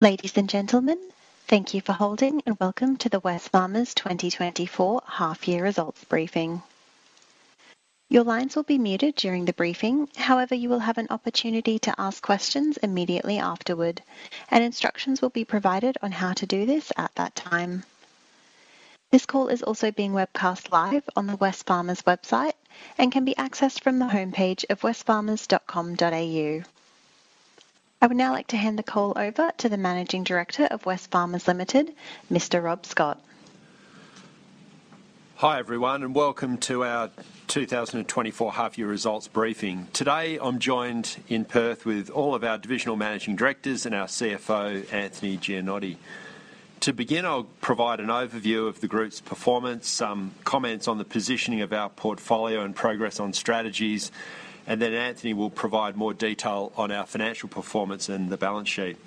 Ladies and gentlemen, thank you for holding and welcome to the Wesfarmers 2024 Half-Year Results Briefing. Your lines will be muted during the briefing. However, you will have an opportunity to ask questions immediately afterward, and instructions will be provided on how to do this at that time. This call is also being webcast live on the Wesfarmers website and can be accessed from the homepage of wesfarmers.com.au. I would now like to hand the call over to the Managing Director of Wesfarmers Limited, Mr. Rob Scott. Hi everyone, and welcome to our 2024 Half-Year Results Briefing. Today I'm joined in Perth with all of our divisional managing directors and our CFO, Anthony Gianotti. To begin, I'll provide an overview of the group's performance, some comments on the positioning of our portfolio and progress on strategies, and then Anthony will provide more detail on our financial performance and the balance sheet.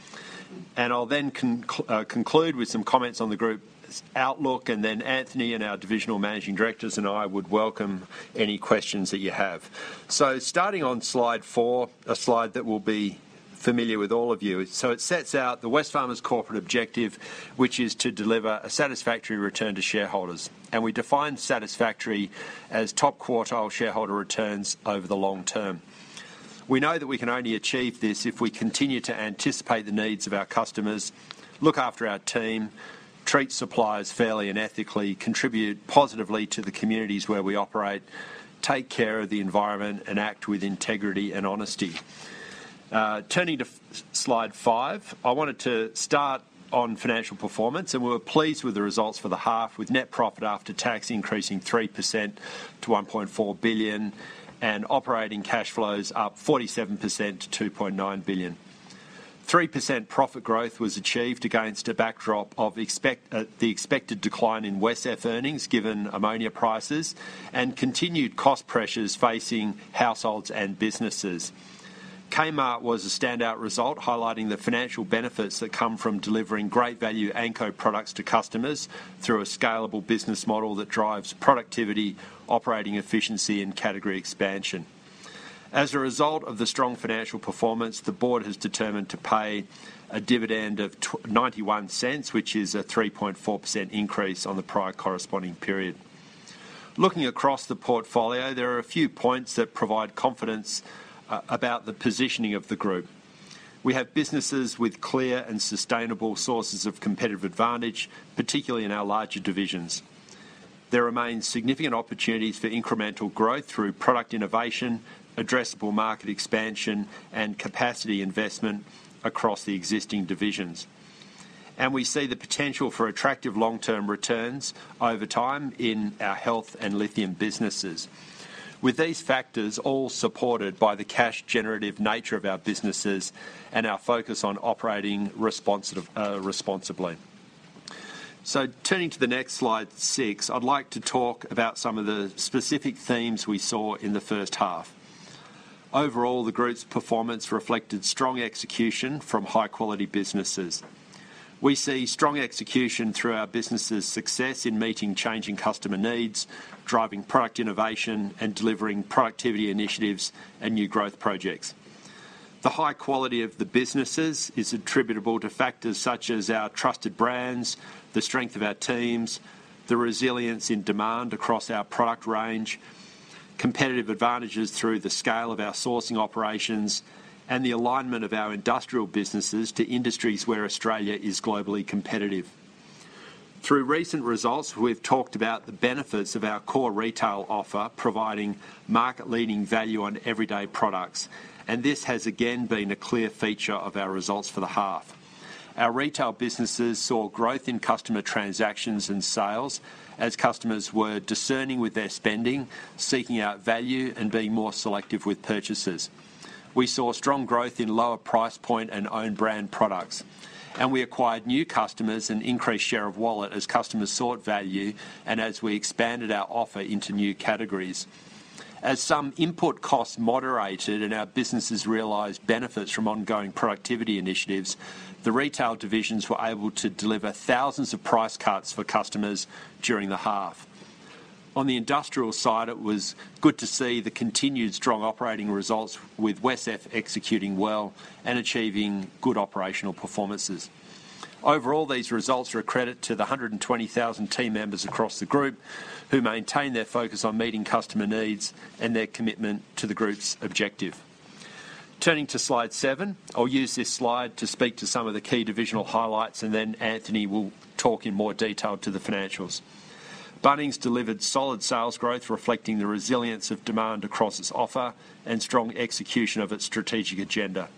I'll then conclude with some comments on the group's outlook, and then Anthony and our divisional managing directors and I would welcome any questions that you have. Starting on slide 4, a slide that will be familiar with all of you. It sets out the Wesfarmers Corporate objective, which is to deliver a satisfactory return to shareholders. We define satisfactory as top quartile shareholder returns over the long term. We know that we can only achieve this if we continue to anticipate the needs of our customers, look after our team, treat suppliers fairly and ethically, contribute positively to the communities where we operate, take care of the environment, and act with integrity and honesty. Turning to slide five, I wanted to start on financial performance, and we were pleased with the results for the half, with net profit after tax increasing 3% to 1.4 billion and operating cash flows up 47% to 2.9 billion. 3% profit growth was achieved against a backdrop of the expected decline in WesCEF earnings given ammonia prices and continued cost pressures facing households and businesses. Kmart was a standout result, highlighting the financial benefits that come from delivering great value Anko products to customers through a scalable business model that drives productivity, operating efficiency, and category expansion. As a result of the strong financial performance, the board has determined to pay a dividend of 0.91, which is a 3.4% increase on the prior corresponding period. Looking across the portfolio, there are a few points that provide confidence about the positioning of the group. We have businesses with clear and sustainable sources of competitive advantage, particularly in our larger divisions. There remain significant opportunities for incremental growth through product innovation, addressable market expansion, and capacity investment across the existing divisions. And we see the potential for attractive long-term returns over time in our health and lithium businesses, with these factors all supported by the cash-generative nature of our businesses and our focus on operating responsibly. So turning to the next slide 6, I'd like to talk about some of the specific themes we saw in the first half. Overall, the group's performance reflected strong execution from high-quality businesses. We see strong execution through our businesses' success in meeting changing customer needs, driving product innovation, and delivering productivity initiatives and new growth projects. The high quality of the businesses is attributable to factors such as our trusted brands, the strength of our teams, the resilience in demand across our product range, competitive advantages through the scale of our sourcing operations, and the alignment of our industrial businesses to industries where Australia is globally competitive. Through recent results, we've talked about the benefits of our core retail offer providing market-leading value on everyday products, and this has again been a clear feature of our results for the half. Our retail businesses saw growth in customer transactions and sales as customers were discerning with their spending, seeking out value, and being more selective with purchases. We saw strong growth in lower price point and owned brand products, and we acquired new customers and increased share of wallet as customers sought value and as we expanded our offer into new categories. As some input costs moderated and our businesses realized benefits from ongoing productivity initiatives, the retail divisions were able to deliver thousands of price cuts for customers during the half. On the industrial side, it was good to see the continued strong operating results with WesCEF executing well and achieving good operational performances. Overall, these results are a credit to the 120,000 team members across the group who maintain their focus on meeting customer needs and their commitment to the group's objective. Turning to slide 7, I'll use this slide to speak to some of the key divisional highlights, and then Anthony will talk in more detail to the financials. Bunnings delivered solid sales growth reflecting the resilience of demand across its offer and strong execution of its strategic agenda.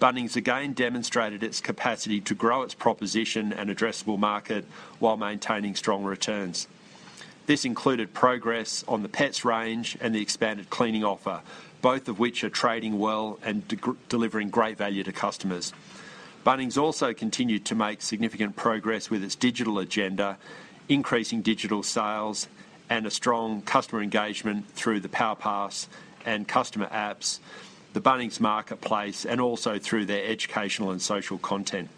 Bunnings again demonstrated its capacity to grow its proposition and addressable market while maintaining strong returns. This included progress on the pets range and the expanded cleaning offer, both of which are trading well and delivering great value to customers. Bunnings also continued to make significant progress with its digital agenda, increasing digital sales, and a strong customer engagement through the PowerPass and customer apps, the Bunnings Marketplace, and also through their educational and social content.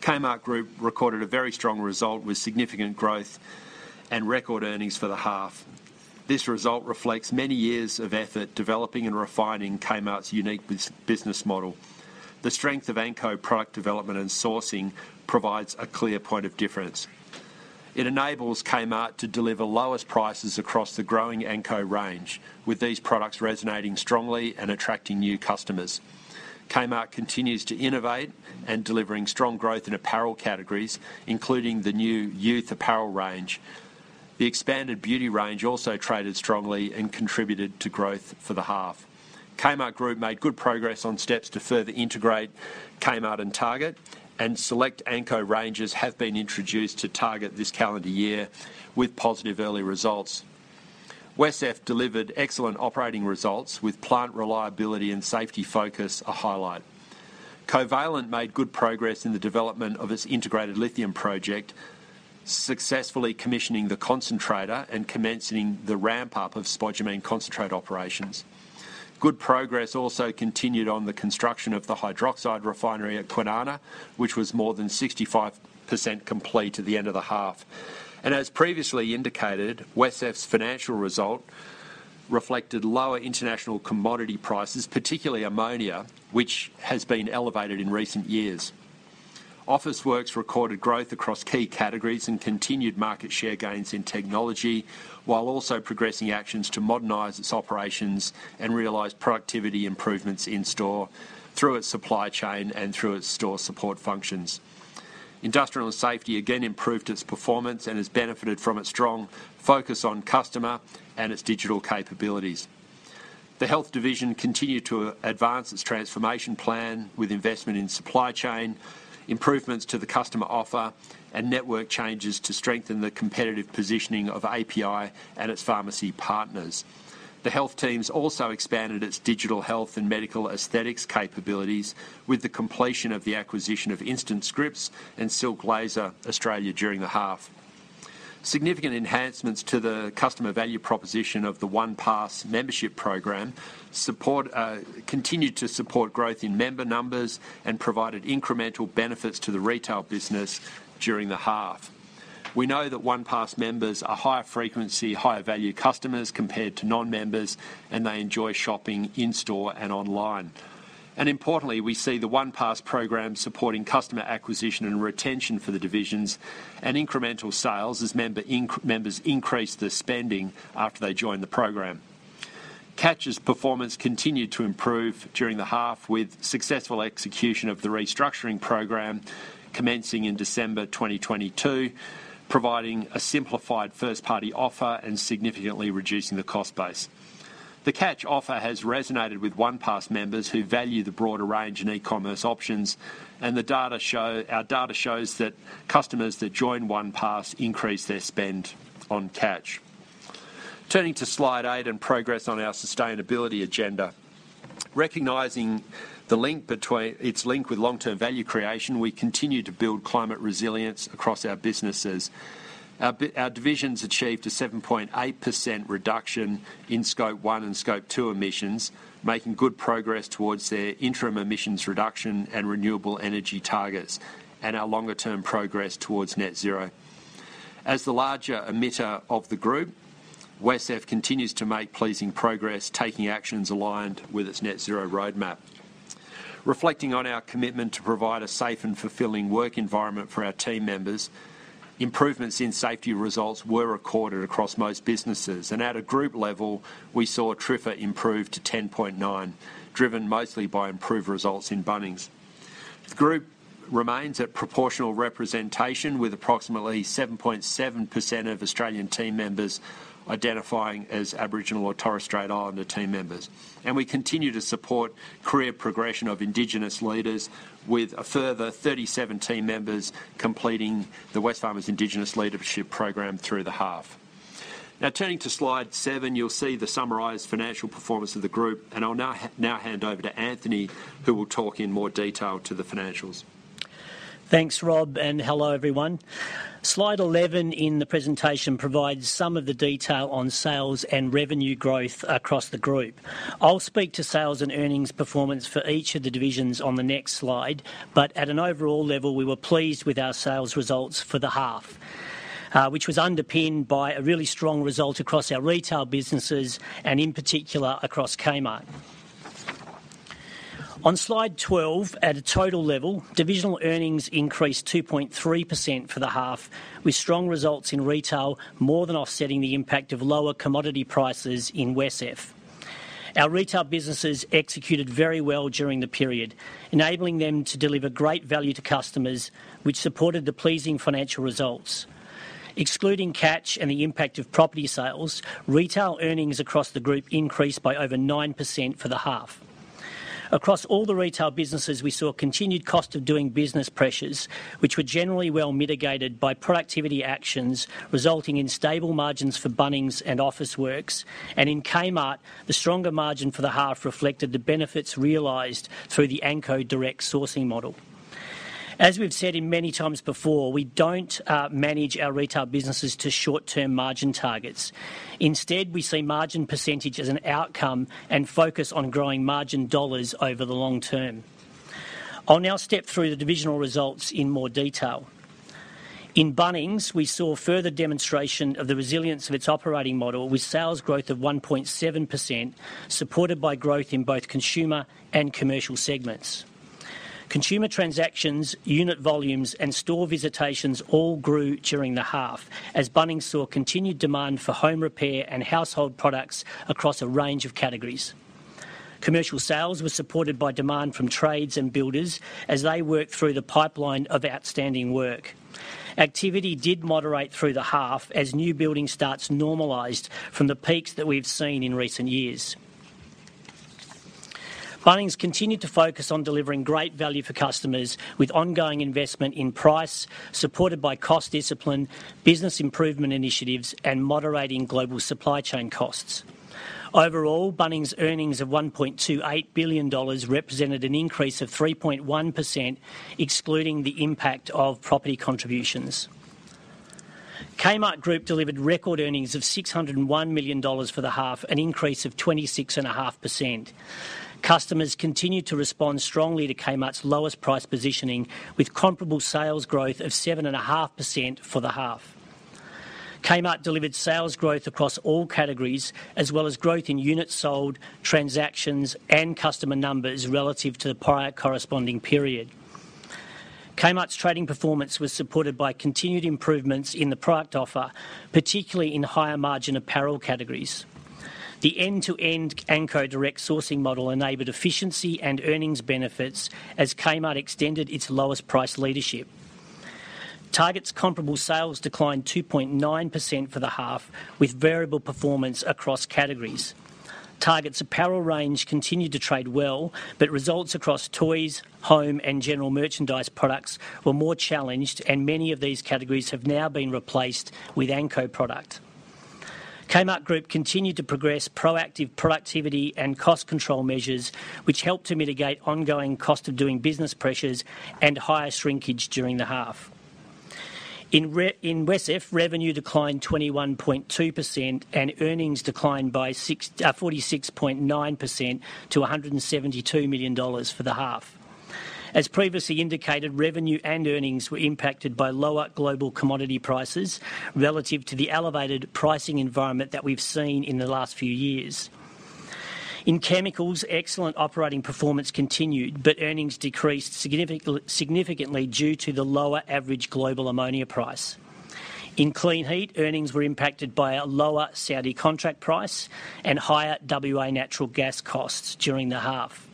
Kmart Group recorded a very strong result with significant growth and record earnings for the half. This result reflects many years of effort developing and refining Kmart's unique business model. The strength of Anko product development and sourcing provides a clear point of difference. It enables Kmart to deliver lowest prices across the growing Anko range, with these products resonating strongly and attracting new customers. Kmart continues to innovate and delivering strong growth in apparel categories, including the new youth apparel range. The expanded beauty range also traded strongly and contributed to growth for the half. Kmart Group made good progress on steps to further integrate Kmart and Target, and select Anko ranges have been introduced to Target this calendar year with positive early results. WesCEF delivered excellent operating results, with plant reliability and safety focus a highlight. Covalent made good progress in the development of its integrated lithium project, successfully commissioning the concentrator and commencing the ramp-up of spodumene concentrate operations. Good progress also continued on the construction of the hydroxide refinery at Kwinana, which was more than 65% complete at the end of the half. As previously indicated, Wesfarmers' financial result reflected lower international commodity prices, particularly ammonia, which has been elevated in recent years. Officeworks recorded growth across key categories and continued market share gains in technology while also progressing actions to modernize its operations and realize productivity improvements in store through its supply chain and through its store support functions. Industrial and Safety again improved its performance and has benefited from its strong focus on customer and its digital capabilities. The Health Division continued to advance its transformation plan with investment in supply chain, improvements to the customer offer, and network changes to strengthen the competitive positioning of API and its pharmacy partners. The Health team also expanded its digital health and medical aesthetics capabilities with the completion of the acquisition of InstantScripts and Silk Laser Australia during the half. Significant enhancements to the customer value proposition of the OnePass membership program continued to support growth in member numbers and provided incremental benefits to the retail business during the half. We know that OnePass members are higher frequency, higher value customers compared to non-members, and they enjoy shopping in store and online. Importantly, we see the OnePass program supporting customer acquisition and retention for the divisions and incremental sales as members increase the spending after they join the program. Catch's performance continued to improve during the half with successful execution of the restructuring program commencing in December 2022, providing a simplified first-party offer and significantly reducing the cost base. The Catch offer has resonated with OnePass members who value the broader range and e-commerce options, and our data shows that customers that join OnePass increase their spend on Catch. Turning to slide eight and progress on our sustainability agenda. Recognizing its link with long-term value creation, we continue to build climate resilience across our businesses. Our divisions achieved a 7.8% reduction in Scope 1 and Scope 2 emissions, making good progress towards their interim emissions reduction and renewable energy targets and our longer-term progress towards net zero. As the larger emitter of the group, WesCEF continues to make pleasing progress, taking actions aligned with its net zero roadmap. Reflecting on our commitment to provide a safe and fulfilling work environment for our team members, improvements in safety results were recorded across most businesses, and at a group level, we saw TRIFR improve to 10.9, driven mostly by improved results in Bunnings. The group remains at proportional representation, with approximately 7.7% of Australian team members identifying as Aboriginal or Torres Strait Islander team members. We continue to support career progression of Indigenous leaders, with a further 37 team members completing the Wesfarmers Indigenous Leadership Program through the half. Now, turning to slide 7, you'll see the summarized financial performance of the group, and I'll now hand over to Anthony, who will talk in more detail to the financials. Thanks, Rob, and hello everyone. Slide 11 in the presentation provides some of the detail on sales and revenue growth across the group. I'll speak to sales and earnings performance for each of the divisions on the next slide, but at an overall level, we were pleased with our sales results for the half, which was underpinned by a really strong result across our retail businesses and in particular across Kmart. On slide 12, at a total level, divisional earnings increased 2.3% for the half, with strong results in retail more than offsetting the impact of lower commodity prices in WesCEF. Our retail businesses executed very well during the period, enabling them to deliver great value to customers, which supported the pleasing financial results. Excluding Catch and the impact of property sales, retail earnings across the group increased by over 9% for the half. Across all the retail businesses, we saw continued cost of doing business pressures, which were generally well mitigated by productivity actions resulting in stable margins for Bunnings and Officeworks, and in Kmart, the stronger margin for the half reflected the benefits realized through the Anko direct sourcing model. As we've said many times before, we don't manage our retail businesses to short-term margin targets. Instead, we see margin percentage as an outcome and focus on growing margin dollars over the long term. I'll now step through the divisional results in more detail. In Bunnings, we saw further demonstration of the resilience of its operating model, with sales growth of 1.7% supported by growth in both consumer and commercial segments. Consumer transactions, unit volumes, and store visitations all grew during the half as Bunnings saw continued demand for home repair and household products across a range of categories. Commercial sales were supported by demand from trades and builders as they worked through the pipeline of outstanding work. Activity did moderate through the half as new building starts normalized from the peaks that we've seen in recent years. Bunnings continued to focus on delivering great value for customers, with ongoing investment in price supported by cost discipline, business improvement initiatives, and moderating global supply chain costs. Overall, Bunnings' earnings of 1.28 billion dollars represented an increase of 3.1%, excluding the impact of property contributions. Kmart Group delivered record earnings of 601 million dollars for the half, an increase of 26.5%. Customers continued to respond strongly to Kmart's lowest price positioning, with comparable sales growth of 7.5% for the half. Kmart delivered sales growth across all categories, as well as growth in units sold, transactions, and customer numbers relative to the prior corresponding period. Kmart's trading performance was supported by continued improvements in the product offer, particularly in higher margin apparel categories. The end-to-end Anko direct sourcing model enabled efficiency and earnings benefits as Kmart extended its lowest price leadership. Target's comparable sales declined 2.9% for the half, with variable performance across categories. Target's apparel range continued to trade well, but results across toys, home, and general merchandise products were more challenged, and many of these categories have now been replaced with Anko product. Kmart Group continued to progress proactive productivity and cost control measures, which helped to mitigate ongoing cost of doing business pressures and higher shrinkage during the half. In WesCEF, revenue declined 21.2% and earnings declined by 46.9% to 172 million dollars for the half. As previously indicated, revenue and earnings were impacted by lower global commodity prices relative to the elevated pricing environment that we've seen in the last few years. In chemicals, excellent operating performance continued, but earnings decreased significantly due to the lower average global ammonia price. In Kleenheat, earnings were impacted by a lower Saudi contract price and higher WA natural gas costs during the half.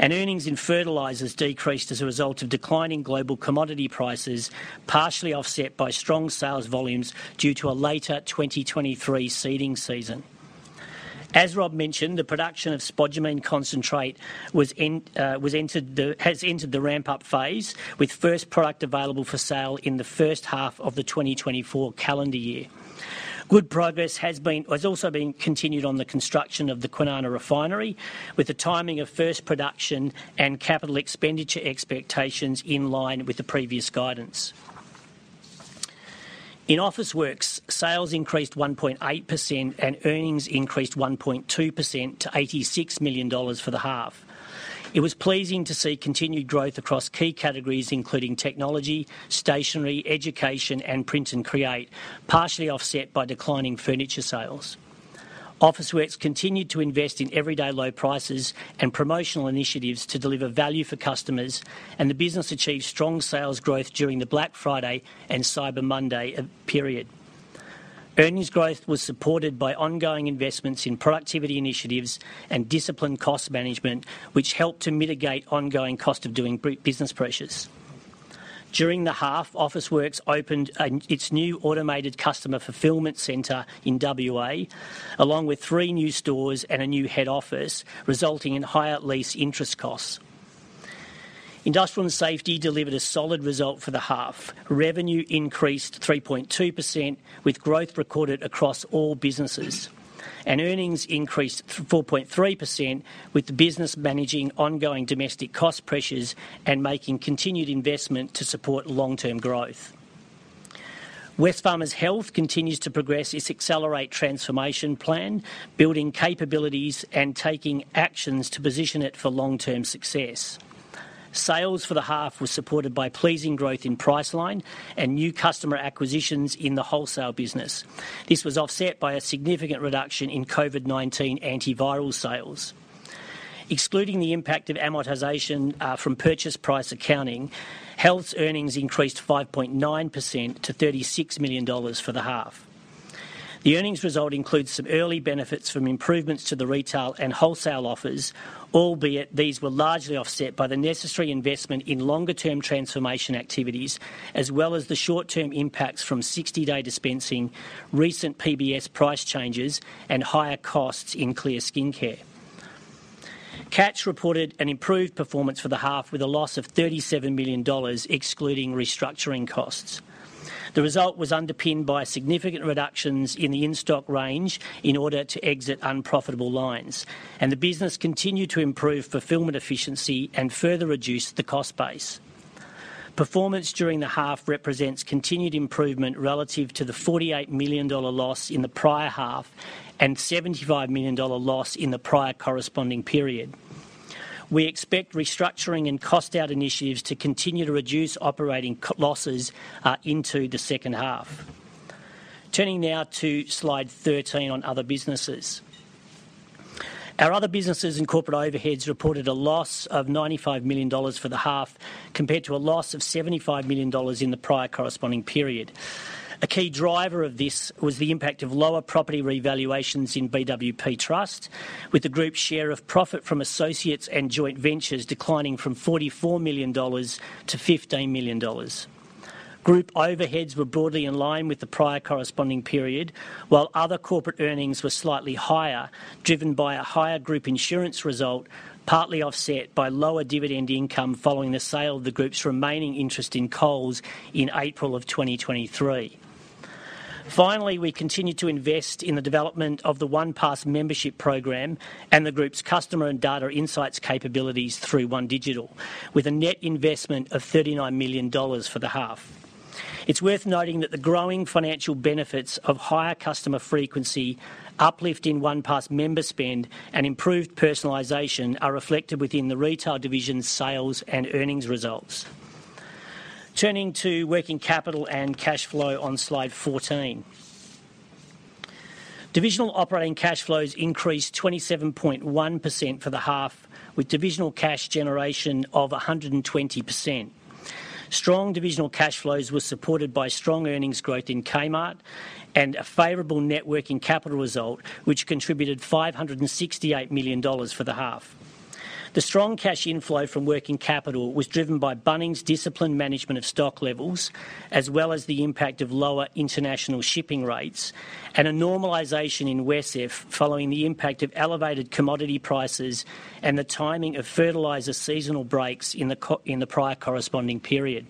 Earnings in fertilizers decreased as a result of declining global commodity prices, partially offset by strong sales volumes due to a later 2023 seeding season. As Rob mentioned, the production of spodumene concentrate has entered the ramp-up phase, with first product available for sale in the first half of the 2024 calendar year. Good progress has also been continued on the construction of the Kwinana refinery, with the timing of first production and capital expenditure expectations in line with the previous guidance. In Officeworks, sales increased 1.8% and earnings increased 1.2% to 86 million dollars for the half. It was pleasing to see continued growth across key categories, including technology, stationery, education, and print and create, partially offset by declining furniture sales. Officeworks continued to invest in everyday low prices and promotional initiatives to deliver value for customers, and the business achieved strong sales growth during the Black Friday and Cyber Monday period. Earnings growth was supported by ongoing investments in productivity initiatives and disciplined cost management, which helped to mitigate ongoing cost of doing business pressures. During the half, Officeworks opened its new automated customer fulfilment centre in WA, along with three new stores and a new head office, resulting in higher lease interest costs. Industrial and Safety delivered a solid result for the half: revenue increased 3.2%, with growth recorded across all businesses, and earnings increased 4.3%, with the business managing ongoing domestic cost pressures and making continued investment to support long-term growth. Wesfarmers Health continues to progress its accelerated transformation plan, building capabilities and taking actions to position it for long-term success. Sales for the half were supported by pleasing growth in Priceline and new customer acquisitions in the wholesale business. This was offset by a significant reduction in COVID-19 antiviral sales. Excluding the impact of amortization from purchase price accounting, Health's earnings increased 5.9% to 36 million dollars for the half. The earnings result includes some early benefits from improvements to the retail and wholesale offers, albeit these were largely offset by the necessary investment in longer-term transformation activities, as well as the short-term impacts from 60-day dispensing, recent PBS price changes, and higher costs in Clear Skincare. Catch reported an improved performance for the half, with a loss of 37 million dollars, excluding restructuring costs. The result was underpinned by significant reductions in the in-stock range in order to exit unprofitable lines, and the business continued to improve fulfilment efficiency and further reduce the cost base. Performance during the half represents continued improvement relative to the 48 million dollar loss in the prior half and 75 million dollar loss in the prior corresponding period. We expect restructuring and cost-out initiatives to continue to reduce operating losses into the second half. Turning now to slide 13 on other businesses. Our other businesses and corporate overheads reported a loss of 95 million dollars for the half, compared to a loss of 75 million dollars in the prior corresponding period. A key driver of this was the impact of lower property revaluations in BWP Trust, with the group's share of profit from associates and joint ventures declining from 44 million dollars to 15 million dollars. Group overheads were broadly in line with the prior corresponding period, while other corporate earnings were slightly higher, driven by a higher group insurance result, partly offset by lower dividend income following the sale of the group's remaining interest in coal in April of 2023. Finally, we continue to invest in the development of the OnePass membership program and the group's customer and data insights capabilities through OneDigital, with a net investment of 39 million dollars for the half. It's worth noting that the growing financial benefits of higher customer frequency, uplift in OnePass member spend, and improved personalization are reflected within the retail division's sales and earnings results. Turning to working capital and cash flow on slide 14. Divisional operating cash flows increased 27.1% for the half, with divisional cash generation of 120%. Strong divisional cash flows were supported by strong earnings growth in Kmart and a favorable net working capital result, which contributed 568 million dollars for the half. The strong cash inflow from working capital was driven by Bunnings' disciplined management of stock levels, as well as the impact of lower international shipping rates and a normalization in WesCEF following the impact of elevated commodity prices and the timing of fertiliser seasonal breaks in the prior corresponding period.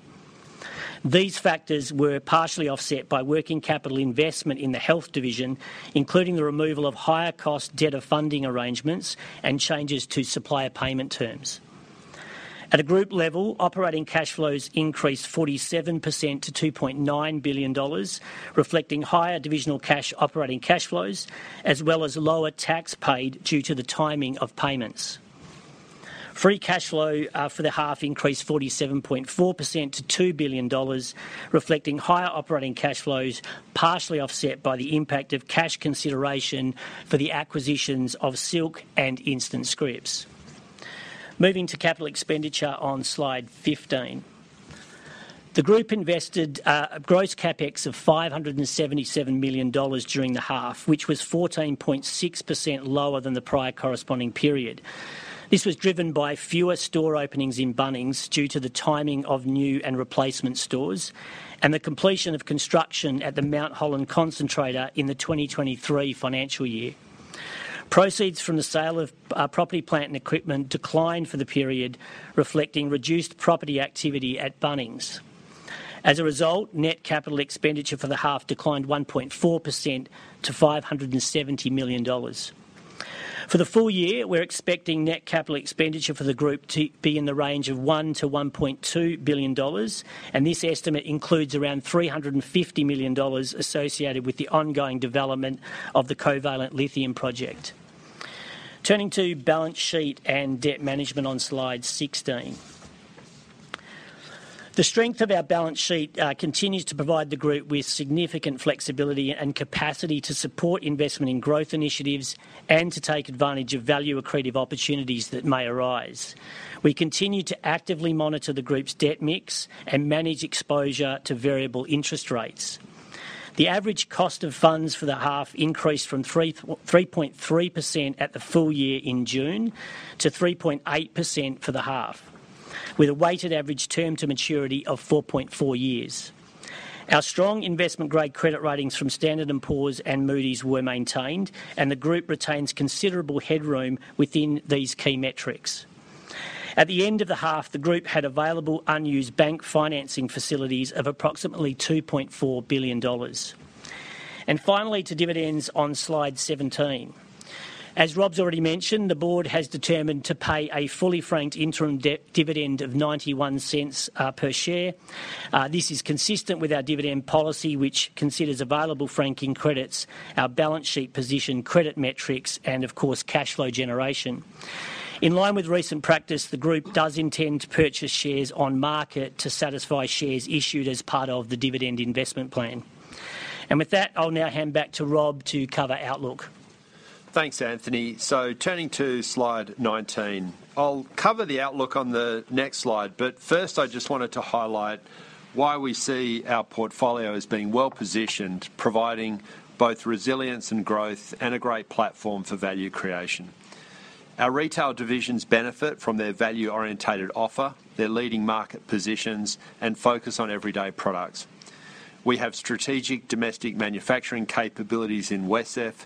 These factors were partially offset by working capital investment in the health division, including the removal of higher-cost debt of funding arrangements and changes to supplier payment terms. At a group level, operating cash flows increased 47% to 2.9 billion dollars, reflecting higher divisional cash operating cash flows, as well as lower tax paid due to the timing of payments. Free cash flow for the half increased 47.4% to 2 billion dollars, reflecting higher operating cash flows, partially offset by the impact of cash consideration for the acquisitions of Silk and InstantScripts. Moving to capital expenditure on slide 15. The group invested gross CAPEX of 577 million dollars during the half, which was 14.6% lower than the prior corresponding period. This was driven by fewer store openings in Bunnings due to the timing of new and replacement stores and the completion of construction at the Mount Holland concentrator in the 2023 financial year. Proceeds from the sale of property plant and equipment declined for the period, reflecting reduced property activity at Bunnings. As a result, net capital expenditure for the half declined 1.4% to 570 million dollars. For the full year, we're expecting net capital expenditure for the group to be in the range of 1 billion-1.2 billion dollars, and this estimate includes around 350 million dollars associated with the ongoing development of the Covalent Lithium project. Turning to balance sheet and debt management on slide 16. The strength of our balance sheet continues to provide the group with significant flexibility and capacity to support investment in growth initiatives and to take advantage of value accretive opportunities that may arise. We continue to actively monitor the group's debt mix and manage exposure to variable interest rates. The average cost of funds for the half increased from 3.3% at the full year in June to 3.8% for the half, with a weighted average term to maturity of 4.4 years. Our strong investment-grade credit ratings from Standard & Poor's and Moody's were maintained, and the group retains considerable headroom within these key metrics. At the end of the half, the group had available unused bank financing facilities of approximately 2.4 billion dollars. And finally, to dividends on slide 17. As Rob's already mentioned, the board has determined to pay a fully franked interim dividend of 0.91 per share. This is consistent with our dividend policy, which considers available franking credits, our balance sheet position credit metrics, and, of course, cash flow generation. In line with recent practice, the group does intend to purchase shares on market to satisfy shares issued as part of the dividend investment plan. And with that, I'll now hand back to Rob to cover outlook. Thanks, Anthony. So turning to slide 19. I'll cover the outlook on the next slide, but first I just wanted to highlight why we see our portfolio as being well-positioned, providing both resilience and growth, and a great platform for value creation. Our retail divisions benefit from their value-oriented offer, their leading market positions, and focus on everyday products. We have strategic domestic manufacturing capabilities in WesCEF,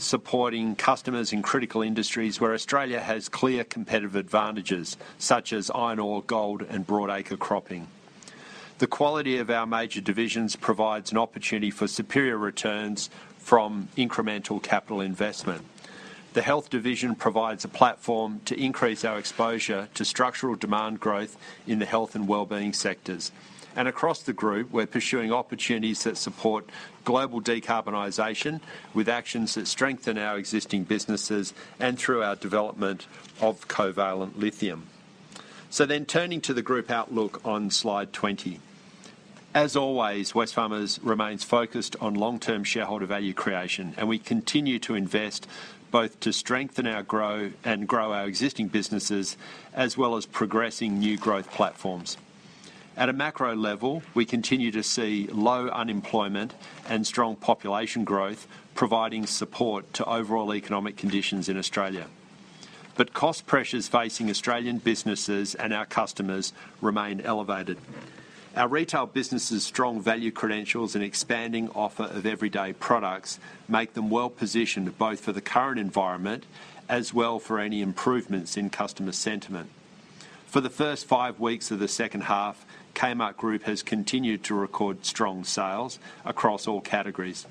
supporting customers in critical industries where Australia has clear competitive advantages, such as iron ore, gold, and broadacre cropping. The quality of our major divisions provides an opportunity for superior returns from incremental capital investment. The health division provides a platform to increase our exposure to structural demand growth in the health and well-being sectors, and across the group, we're pursuing opportunities that support global decarbonization with actions that strengthen our existing businesses and through our development of Covalent Lithium. Turning to the group outlook on slide 20. As always, Wesfarmers remains focused on long-term shareholder value creation, and we continue to invest both to strengthen our growth and grow our existing businesses, as well as progressing new growth platforms. At a macro level, we continue to see low unemployment and strong population growth, providing support to overall economic conditions in Australia. But cost pressures facing Australian businesses and our customers remain elevated. Our retail businesses' strong value credentials and expanding offer of everyday products make them well-positioned both for the current environment as well for any improvements in customer sentiment. For the first five weeks of the second half, Kmart Group has continued to record strong sales across all categories.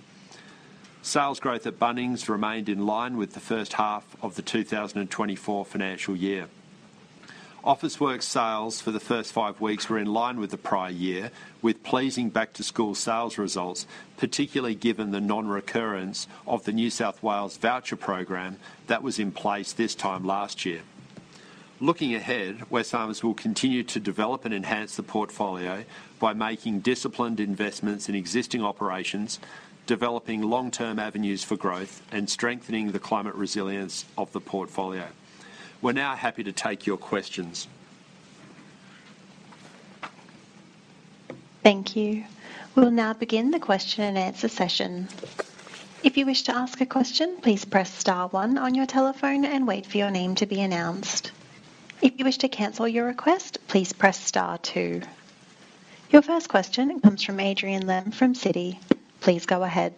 Sales growth at Bunnings remained in line with the first half of the 2024 financial year. Officeworks sales for the first five weeks were in line with the prior year, with pleasing back-to-school sales results, particularly given the non-recurrence of the New South Wales voucher program that was in place this time last year. Looking ahead, Wesfarmers will continue to develop and enhance the portfolio by making disciplined investments in existing operations, developing long-term avenues for growth, and strengthening the climate resilience of the portfolio. We're now happy to take your questions. Thank you. We'll now begin the question and answer session. If you wish to ask a question, please press star one on your telephone and wait for your name to be announced. If you wish to cancel your request, please press star two. Your first question comes from Adrian Lemme from Citi. Please go ahead.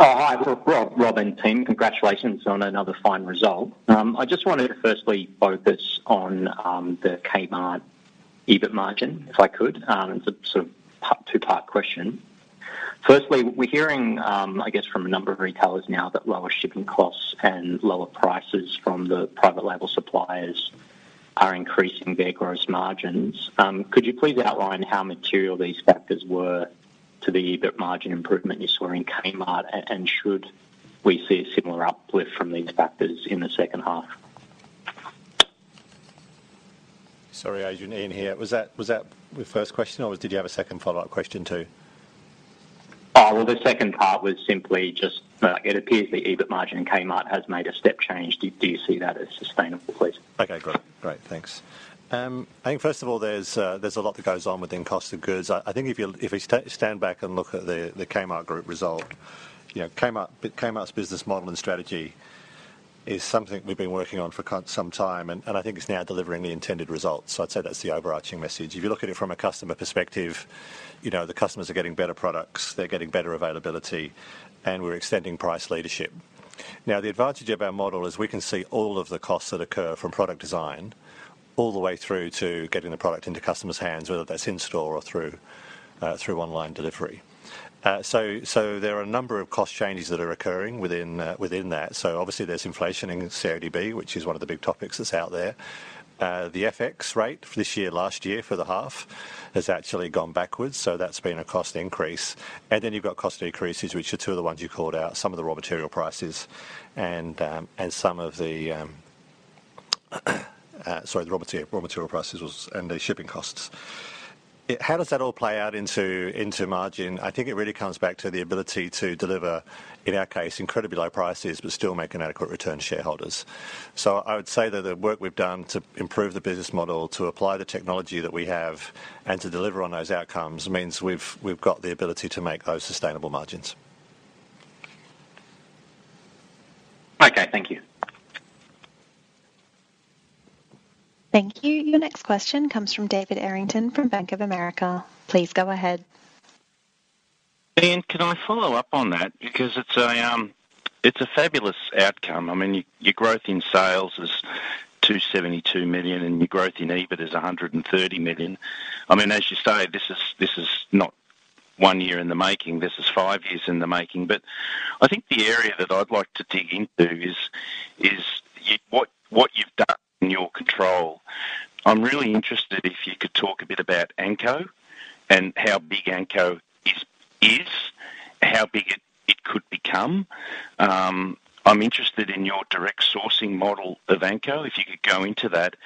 Hi, Rob and team. Congratulations on another fine result. I just wanted to firstly focus on the Kmart EBIT margin, if I could. It's a sort of two-part question. Firstly, we're hearing, I guess, from a number of retailers now that lower shipping costs and lower prices from the private label suppliers are increasing their gross margins. Could you please outline how material these factors were to the EBIT margin improvement you saw in Kmart, and should we see a similar uplift from these factors in the second half? Sorry, Ajay. Ian here. Was that your first question, or did you have a second follow-up question too? Well, the second part was simply just it appears the EBIT margin in Kmart has made a step change. Do you see that as sustainable, please? Okay, great. Great, thanks. I think, first of all, there's a lot that goes on within cost of goods. I think if we stand back and look at the Kmart Group result, Kmart's business model and strategy is something we've been working on for some time, and I think it's now delivering the intended results. So I'd say that's the overarching message. If you look at it from a customer perspective, the customers are getting better products, they're getting better availability, and we're extending price leadership. Now, the advantage of our model is we can see all of the costs that occur from product design all the way through to getting the product into customers' hands, whether that's in-store or through online delivery. So there are a number of cost changes that are occurring within that. So obviously, there's inflation in CODB, which is one of the big topics that's out there. The FX rate for this year last year for the half has actually gone backwards, so that's been a cost increase. Then you've got cost decreases, which are two of the ones you called out, some of the raw material prices and some of the sorry, the raw material prices and the shipping costs. How does that all play out into margin? I think it really comes back to the ability to deliver, in our case, incredibly low prices but still make an adequate return to shareholders. So I would say that the work we've done to improve the business model, to apply the technology that we have, and to deliver on those outcomes means we've got the ability to make those sustainable margins. Okay, thank you. Thank you. Your next question comes from David Errington from Bank of America. Please go ahead. Ian, can I follow up on that? Because it's a fabulous outcome. I mean, your growth in sales is 272 million, and your growth in EBIT is 130 million. I mean, as you say, this is not one year in the making. This is five years in the making. But I think the area that I'd like to dig into is what you've done in your control. I'm really interested if you could talk a bit about Anko and how big Anko is, how big it could become. I'm interested in your direct sourcing model of Anko, if you could go into that.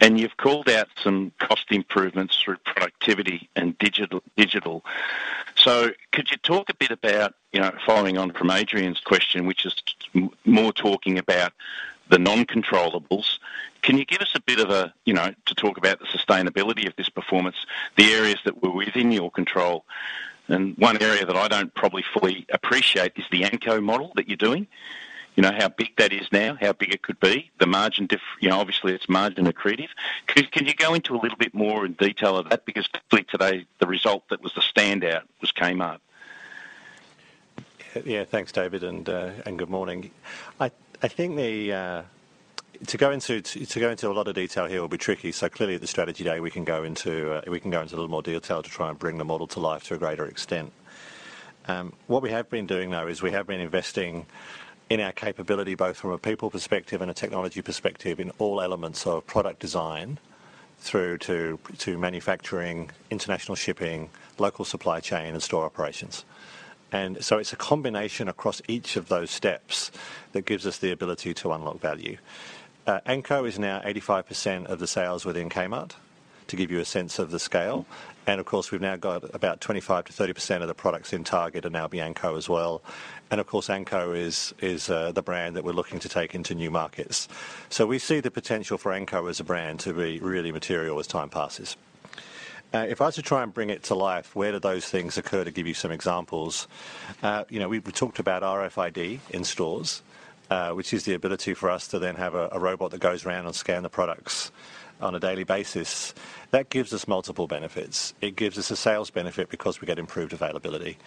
And you've called out some cost improvements through productivity and digital. So could you talk a bit about following on from Adrian's question, which is more talking about the non-controllables? Can you give us a bit of a to talk about the sustainability of this performance, the areas that were within your control? And one area that I don't probably fully appreciate is the Anko model that you're doing, how big that is now, how big it could be, the margin obviously, it's margin accretive. Can you go into a little bit more in detail of tha t? Because today, the result that was the standout was Kmart. Yeah, thanks, David, and good morning. I think to go into a lot of detail here will be tricky. So clearly, at the strategy day, we can go into a little more detail to try and bring the model to life to a greater extent. What we have been doing, though, is we have been investing in our capability both from a people perspective and a technology perspective in all elements of product design through to manufacturing, international shipping, local supply chain, and store operations. And so it's a combination across each of those steps that gives us the ability to unlock value. Anko is now 85% of the sales within Kmart, to give you a sense of the scale. And of course, we've now got about 25%-30% of the products in Target are now Anko as well. And of course, Anko is the brand that we're looking to take into new markets. So we see the potential for Anko as a brand to be really material as time passes. If I was to try and bring it to life, where do those things occur to give you some examples? We've talked about RFID in stores, which is the ability for us to then have a robot that goes around and scans the products on a daily basis. That gives us multiple benefits. It gives us a sales benefit because we get improved availability.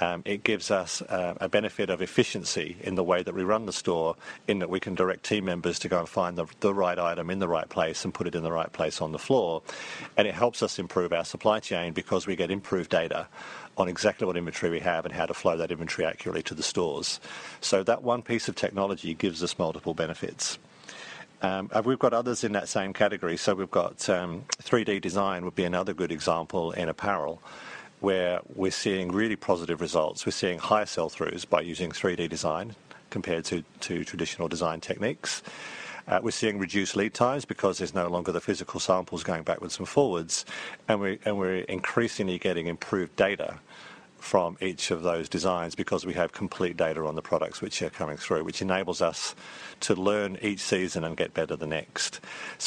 It gives us a benefit of efficiency in the way that we run the store, in that we can direct team members to go and find the right item in the right place and put it in the right place on the floor. And it helps us improve our supply chain because we get improved data on exactly what inventory we have and how to flow that inventory accurately to the stores. So that one piece of technology gives us multiple benefits. We've got others in that same category. We've got 3D design would be another good example in apparel, where we're seeing really positive results. We're seeing higher sell-throughs by using 3D design compared to traditional design techniques. We're seeing reduced lead times because there's no longer the physical samples going backwards and forwards. We're increasingly getting improved data from each of those designs because we have complete data on the products which are coming through, which enables us to learn each season and get better the next.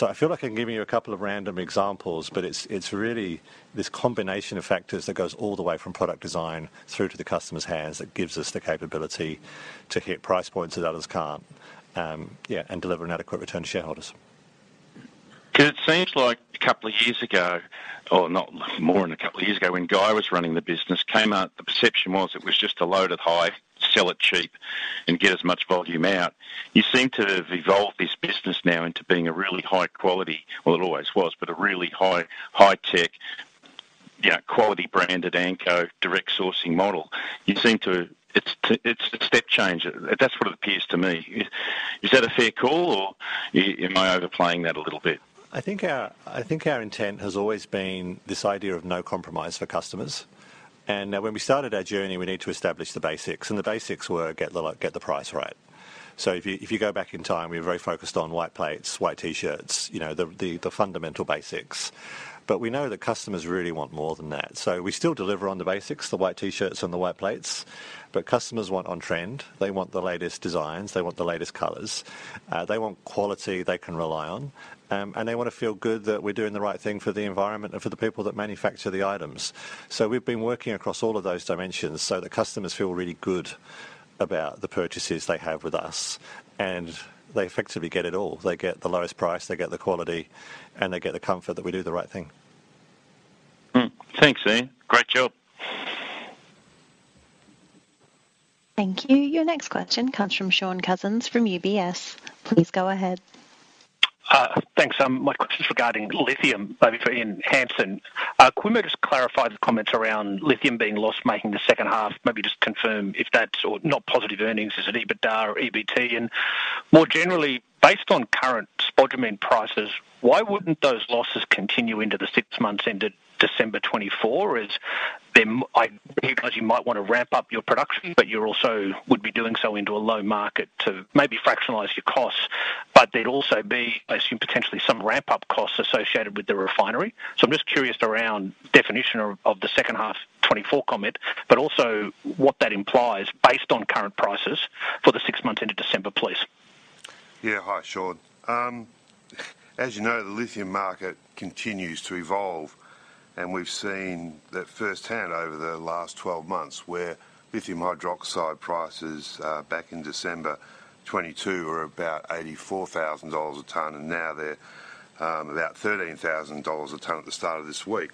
I feel like I'm giving you a couple of random examples, but it's really this combination of factors that goes all the way from product design through to the customer's hands that gives us the capability to hit price points that others can't and deliver an adequate return to shareholders. Because it seems like a couple of years ago or not, more than a couple of years ago, when Guy was running the business, Kmart, the perception was it was just a loaded high, sell it cheap, and get as much volume out. You seem to have evolved this business now into being a really high-quality well, it always was, but a really high-tech, quality-branded Anko direct sourcing model. You seem to it's a step change. That's what it appears to me. Is that a fair call, or am I overplaying that a little bit? I think our intent has always been this idea of no compromise for customers. And when we started our journey, we need to establish the basics. And the basics were get the price right. So if you go back in time, we were very focused on white plates, white T-shirts, the fundamental basics. But we know that customers really want more than that. So we still deliver on the basics, the white T-shirts and the white plates. But customers want on-trend. They want the latest designs. They want the latest colors. They want quality they can rely on. And they want to feel good that we're doing the right thing for the environment and for the people that manufacture the items. So we've been working across all of those dimensions so that customers feel really good about the purchases they have with us. And they effectively get it all. They get the lowest price. They get the quality. And they get the comfort that we do the right thing. Thanks, Ian. Great job. Thank you. Your next question comes from Shaun Cousins from UBS. Please go ahead. Thanks. My question is regarding lithium, maybe for Ian Hansen. Could we maybe just clarify the comments around lithium being loss-making the second half? Maybe just confirm if that's not positive earnings, is it EBITDA or EBT? And more generally, based on current spodumene prices, why wouldn't those losses continue into the six months into December 2024, as you might want to ramp up your production, but you also would be doing so into a low market to maybe fractionalize your costs? But there'd also be, I assume, potentially some ramp-up costs associated with the refinery. So I'm just curious around definition of the second half 2024 comment, but also what that implies based on current prices for the six months into December, please. Yeah, hi, Shaun. As you know, the lithium market continues to evolve. We've seen that firsthand over the last 12 months, where lithium hydroxide prices back in December 2022 were about $84,000 a tonne, and now they're about $13,000 a tonne at the start of this week.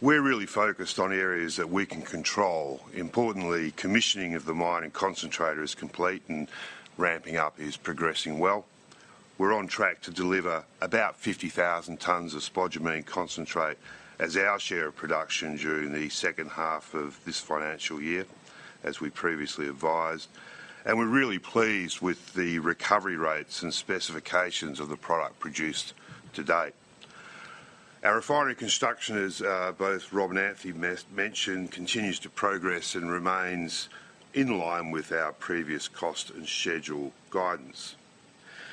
We're really focused on areas that we can control. Importantly, commissioning of the mine and concentrator is complete, and ramping up is progressing well. We're on track to deliver about 50,000 tonnes of spodumene concentrate as our share of production during the second half of this financial year, as we previously advised. And we're really pleased with the recovery rates and specifications of the product produced to date. Our refinery construction, as both Rob and Anthony mentioned, continues to progress and remains in line with our previous cost and schedule guidance.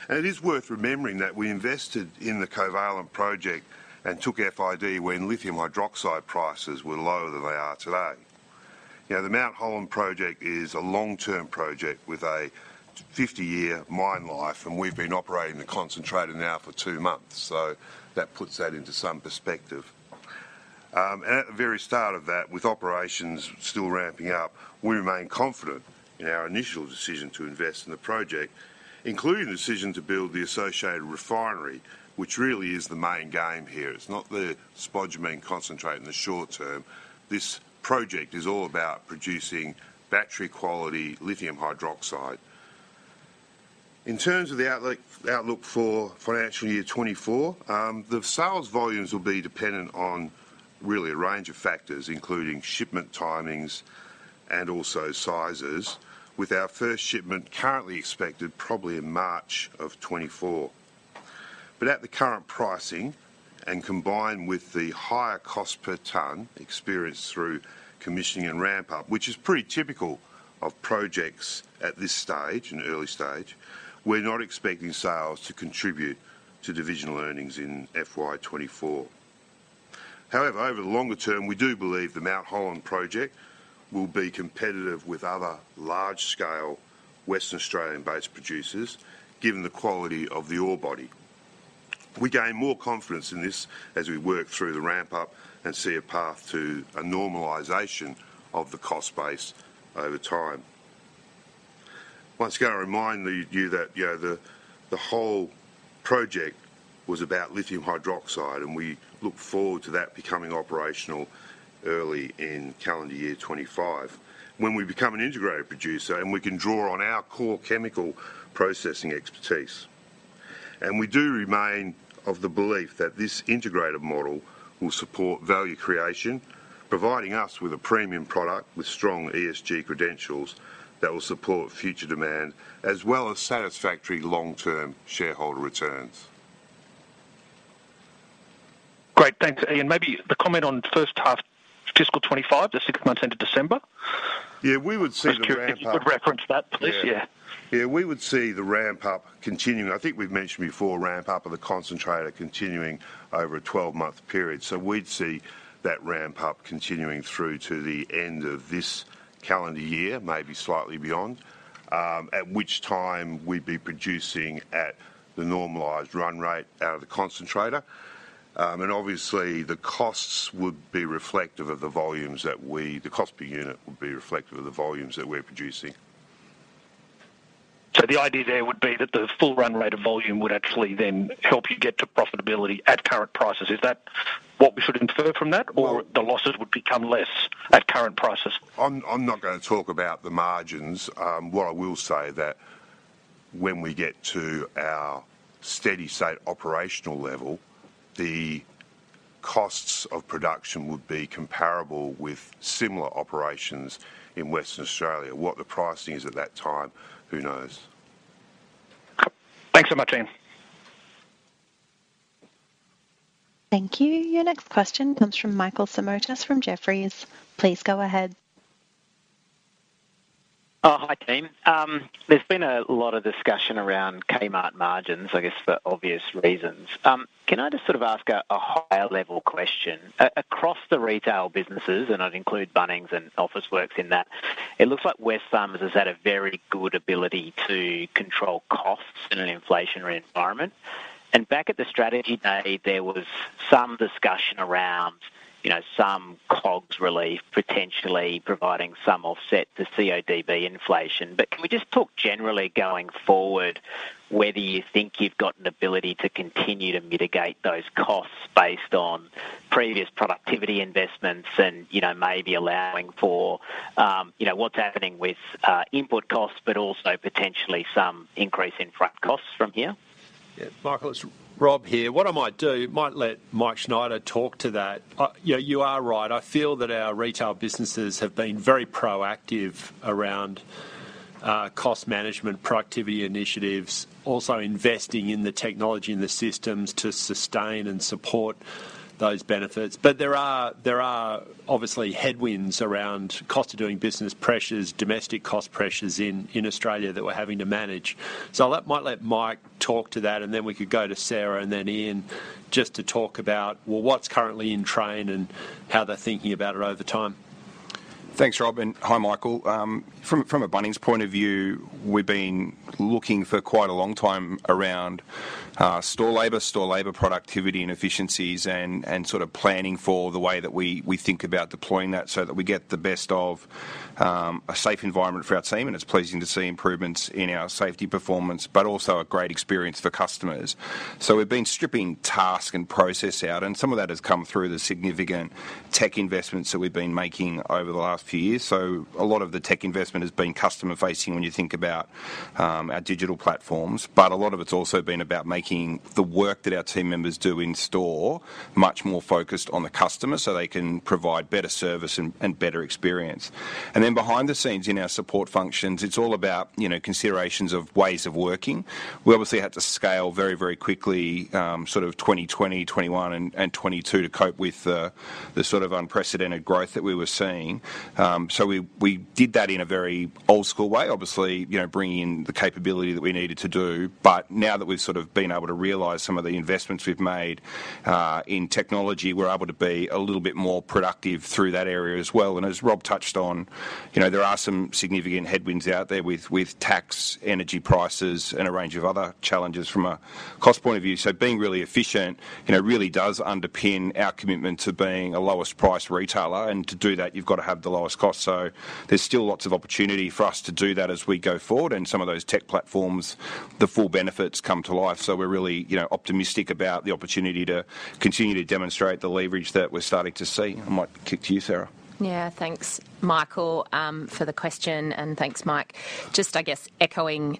It is worth remembering that we invested in the Covalent project and took FID when lithium hydroxide prices were lower than they are today. The Mount Holland project is a long-term project with a 50-year mine life, and we've been operating the concentrator now for two months. So that puts that into some perspective. At the very start of that, with operations still ramping up, we remain confident in our initial decision to invest in the project, including the decision to build the associated refinery, which really is the main game here. It's not the spodumene concentrate in the short term. This project is all about producing battery-quality lithium hydroxide. In terms of the outlook for financial year 2024, the sales volumes will be dependent on really a range of factors, including shipment timings and also sizes, with our first shipment currently expected probably in March of 2024. But at the current pricing and combined with the higher cost per tonne experienced through commissioning and ramp-up, which is pretty typical of projects at this stage, an early stage, we're not expecting sales to contribute to divisional earnings in FY 2024. However, over the longer term, we do believe the Mount Holland project will be competitive with other large-scale Western Australian-based producers, given the quality of the ore body. We gain more confidence in this as we work through the ramp-up and see a path to a normalization of the cost base over time. Once again, I remind you that the whole project was about lithium hydroxide, and we look forward to that becoming operational early in calendar year 2025, when we become an integrated producer and we can draw on our core chemical processing expertise. And we do remain of the belief that this integrated model will support value creation, providing us with a premium product with strong ESG credentials that will support future demand as well as satisfactory long-term shareholder returns. Great. Thanks, Ian. Maybe the comment on first half fiscal 2025, the six months into December. Yeah, we would see the ramp-up. If you could reference that, please. Yeah. Yeah, we would see the ramp-up continuing. I think we've mentioned before, ramp-up of the concentrator continuing over a 12-month period. So we'd see that ramp-up continuing through to the end of this calendar year, maybe slightly beyond, at which time we'd be producing at the normalised run rate out of the concentrator. And obviously, the costs would be reflective of the volumes that we the cost per unit would be reflective of the volumes that we're producing. So the idea there would be that the full run rate of volume would actually then help you get to profitability at current prices. Is that what we should infer from that, or the losses would become less at current prices? I'm not going to talk about the margins. What I will say is that when we get to our steady-state operational level, the costs of production would be comparable with similar operations in Western Australia. What the pricing is at that time, who knows? Thanks so much, Ian. Thank you. Your next question comes from Michael Simotas from Jefferies. Please go ahead. Hi, team. There's been a lot of discussion around Kmart margins, I guess, for obvious reasons. Can I just sort of ask a higher-level question? Across the retail businesses, and I'd include Bunnings and Officeworks in that, it looks like Wesfarmers has had a very good ability to control costs in an inflationary environment. Back at the strategy day, there was some discussion around some COGS relief, potentially providing some offset to CODB inflation. But can we just talk generally going forward, whether you think you've got an ability to continue to mitigate those costs based on previous productivity investments and maybe allowing for what's happening with input costs, but also potentially some increase in front costs from here? Yeah, Michael, it's Rob here. What I might do, might let Mike Schneider talk to that. You are right. I feel that our retail businesses have been very proactive around cost management, productivity initiatives, also investing in the technology and the systems to sustain and support those benefits. But there are obviously headwinds around cost of doing business pressures, domestic cost pressures in Australia that we're having to manage. So I might let Mike talk to that, and then we could go to Sarah and then Ian just to talk about, well, what's currently in train and how they're thinking about it over time. Thanks, Rob. Hi, Michael. From a Bunnings point of view, we've been looking for quite a long time around store labour, store labour productivity and efficiencies, and sort of planning for the way that we think about deploying that so that we get the best of a safe environment for our team. And it's pleasing to see improvements in our safety performance, but also a great experience for customers. So we've been stripping task and process out, and some of that has come through the significant tech investments that we've been making over the last few years. So a lot of the tech investment has been customer-facing when you think about our digital platforms. But a lot of it's also been about making the work that our team members do in store much more focused on the customer so they can provide better service and better experience. And then behind the scenes in our support functions, it's all about considerations of ways of working. We obviously had to scale very, very quickly, sort of 2020, 2021, and 2022, to cope with the sort of unprecedented growth that we were seeing. So we did that in a very old-school way, obviously bringing in the capability that we needed to do. But now that we've sort of been able to realize some of the investments we've made in technology, we're able to be a little bit more productive through that area as well. And as Rob touched on, there are some significant headwinds out there with tax, energy prices, and a range of other challenges from a cost point of view. So being really efficient really does underpin our commitment to being a lowest-price retailer. And to do that, you've got to have the lowest cost. So there's still lots of opportunity for us to do that as we go forward. And some of those tech platforms, the full benefits come to life. So we're really optimistic about the opportunity to continue to demonstrate the leverage that we're starting to see. I might kick to you, Sarah. Yeah, thanks, Michael, for the question. And thanks, Mike. Just, I guess, echoing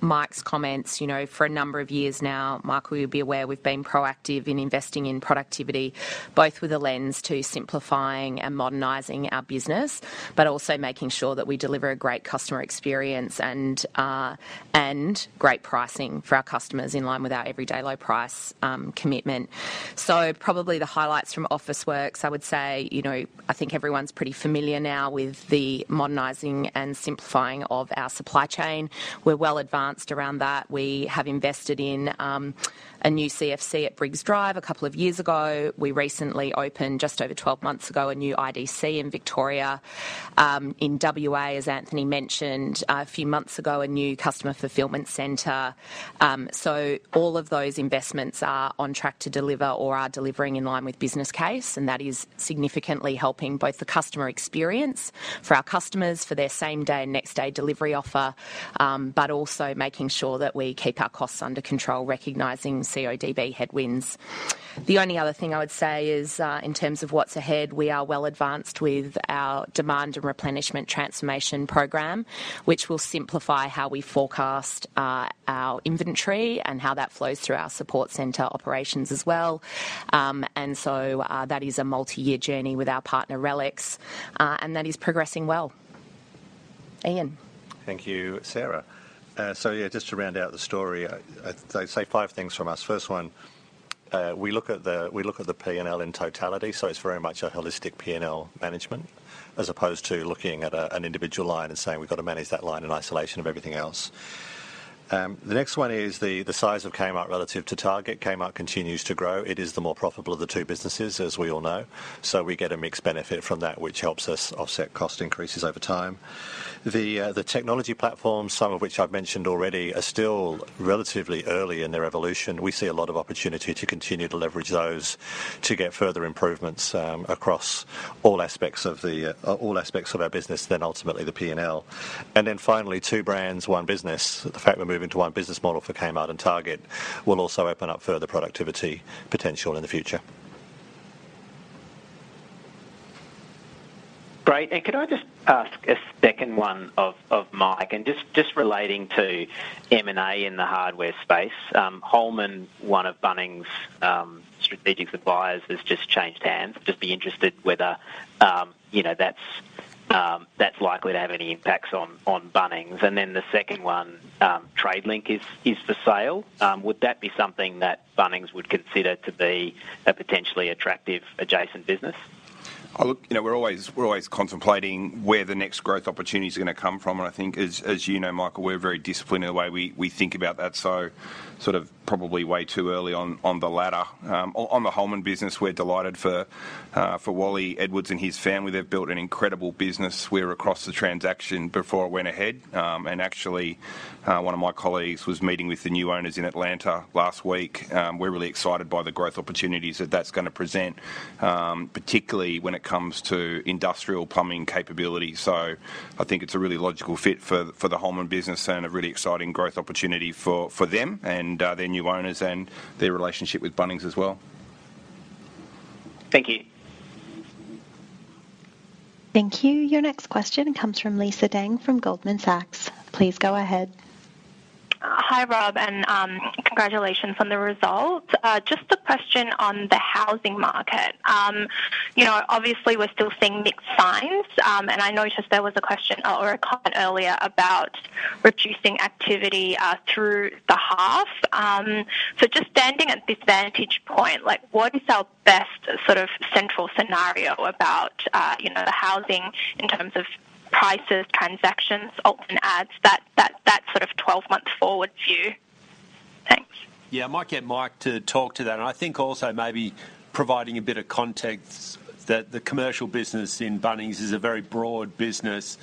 Mike's comments, for a number of years now, Michael, you'll be aware, we've been proactive in investing in productivity, both with a lens to simplifying and modernizing our business, but also making sure that we deliver a great customer experience and great pricing for our customers in line with our everyday low-price commitment. So probably the highlights from Officeworks, I would say I think everyone's pretty familiar now with the modernizing and simplifying of our supply chain. We're well advanced around that. We have invested in a new CFC at Briggs Drive a couple of years ago. We recently opened, just over 12 months ago, a new IDC in Victoria. In WA, as Anthony mentioned, a few months ago, a new customer fulfillment center. So all of those investments are on track to deliver or are delivering in line with business case. And that is significantly helping both the customer experience for our customers, for their same-day and next-day delivery offer, but also making sure that we keep our costs under control, recognizing CODB headwinds. The only other thing I would say is, in terms of what's ahead, we are well advanced with our demand and replenishment transformation program, which will simplify how we forecast our inventory and how that flows through our support center operations as well. And so that is a multi-year journey with our partner RELEX. And that is progressing well. Ian. Thank you, Sarah. So yeah, just to round out the story, I'd say five things from us. First one, we look at the P&L in totality, so it's very much a holistic P&L management, as opposed to looking at an individual line and saying, "We've got to manage that line in isolation of everything else." The next one is the size of Kmart relative to Target. Kmart continues to grow. It is the more profitable of the two businesses, as we all know. So we get a mixed benefit from that, which helps us offset cost increases over time. The technology platforms, some of which I've mentioned already, are still relatively early in their evolution. We see a lot of opportunity to continue to leverage those to get further improvements across all aspects of our business, then ultimately the P&L. And then finally, two brands, one business, the fact we're moving to one business model for Kmart and Target will also open up further productivity potential in the future. Great. And could I just ask a second one of Mike? And just relating to M&A in the hardware space, Holman, one of Bunnings' strategic advisors, has just changed hands. I'd just be interested whether that's likely to have any impacts on Bunnings. And then the second one, Tradelink is for sale. Would that be something that Bunnings would consider to be a potentially attractive adjacent business? Look, we're always contemplating where the next growth opportunities are going to come from. And I think, as you know, Michael, we're very disciplined in the way we think about that. So sort of probably way too early on the ladder. On the Holman business, we're delighted for Wally Edwards and his family. They've built an incredible business. We were across the transaction before it went ahead. Actually, one of my colleagues was meeting with the new owners in Atlanta last week. We're really excited by the growth opportunities that that's going to present, particularly when it comes to industrial plumbing capability. So I think it's a really logical fit for the Holman business and a really exciting growth opportunity for them and their new owners and their relationship with Bunnings as well. Thank you. Thank you. Your next question comes from Lisa Deng from Goldman Sachs. Please go ahead. Hi, Rob. And congratulations on the results. Just a question on the housing market. Obviously, we're still seeing mixed signs. And I noticed there was a question or a comment earlier about reducing activity through the half. So just standing at this vantage point, what is our best sort of central scenario about the housing in terms of prices, transactions, ultimate ads, that sort of 12-month forward view? Thanks. Yeah, I might get Mike to talk to that. I think also maybe providing a bit of context, that the commercial business in Bunnings is a very broad business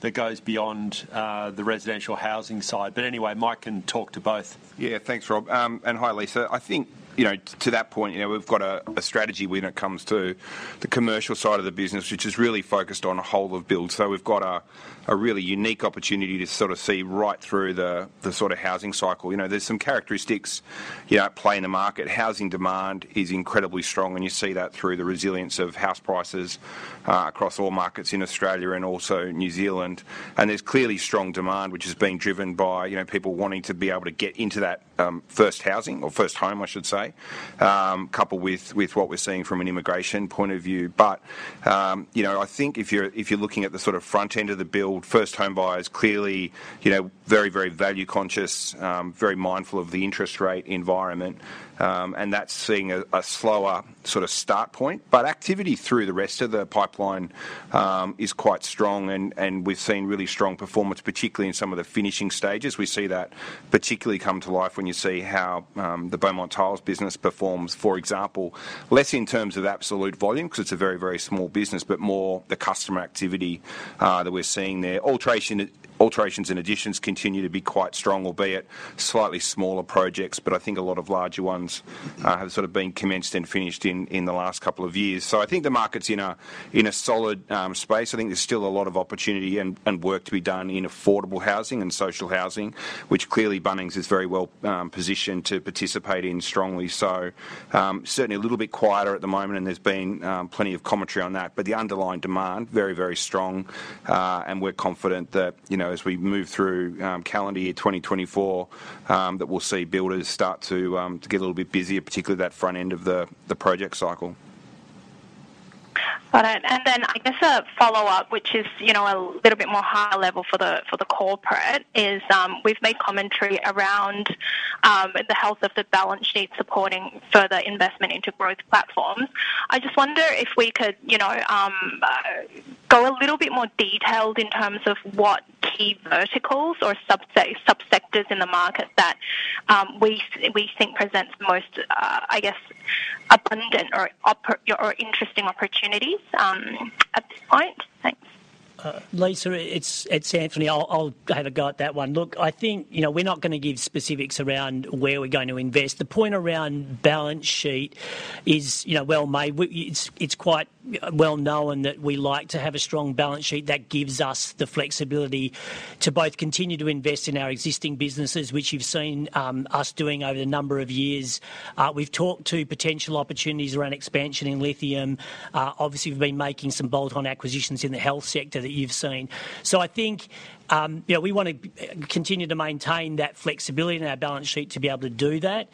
that goes beyond the residential housing side. But anyw ay, Mike can talk to both. Yeah, thanks, Rob. And hi, Lisa. I think to that point, we've got a strategy when it comes to the commercial side of the business, which is really focused on a whole of builds. So we've got a really unique opportunity to sort of see right through the sort of housing cycle. There's some characteristics at play in the market. Housing demand is incredibly strong, and you see that through the resilience of house prices across all markets in Australia and also New Zealand. There's clearly strong demand, which has been driven by people wanting to be able to get into that first housing or first home, I should say, coupled with what we're seeing from an immigration point of view. I think if you're looking at the sort of front end of the build, first home buyers clearly very, very value-conscious, very mindful of the interest rate environment. That's seeing a slower sort of start point. Activity through the rest of the pipeline is quite strong. We've seen really strong performance, particularly in some of the finishing stages. We see that particularly come to life when you see how the Beaumont Tiles business performs, for example, less in terms of absolute volume because it's a very, very small business, but more the customer activity that we're seeing there. Alterations and additions continue to be quite strong, albeit slightly smaller projects. But I think a lot of larger ones have sort of been commenced and finished in the last couple of years. So I think the market's in a solid space. I think there's still a lot of opportunity and work to be done in affordable housing and social housing, which clearly Bunnings is very well positioned to participate in strongly. So certainly a little bit quieter at the moment, and there's been plenty of commentary on that. But the underlying demand, very, very strong. We're confident that as we move through calendar year 2024, that we'll see builders start to get a little bit busier, particularly that front end of the project cycle. All right. Then I guess a follow-up, which is a little bit more high-level for the corporate, is we've made commentary around the health of the balance sheet supporting further investment into growth platforms. I just wonder if we could go a little bit more detailed in terms of what key verticals or subsectors in the market that we think present the most, I guess, abundant or interesting opportunities at this point. Thanks. Lisa, it's Anthony. I'll have a go at that one. Look, I think we're not going to give specifics around where we're going to invest. The point around balance sheet is well made. It's quite well known that we like to have a strong balance sheet that gives us the flexibility to both continue to invest in our existing businesses, which you've seen us doing over a number of years. We've talked to potential opportunities around expansion in lithium. Obviously, we've been making some bolt-on acquisitions in the health sector that you've seen. I think we want to continue to maintain that flexibility in our balance sheet to be able to do that.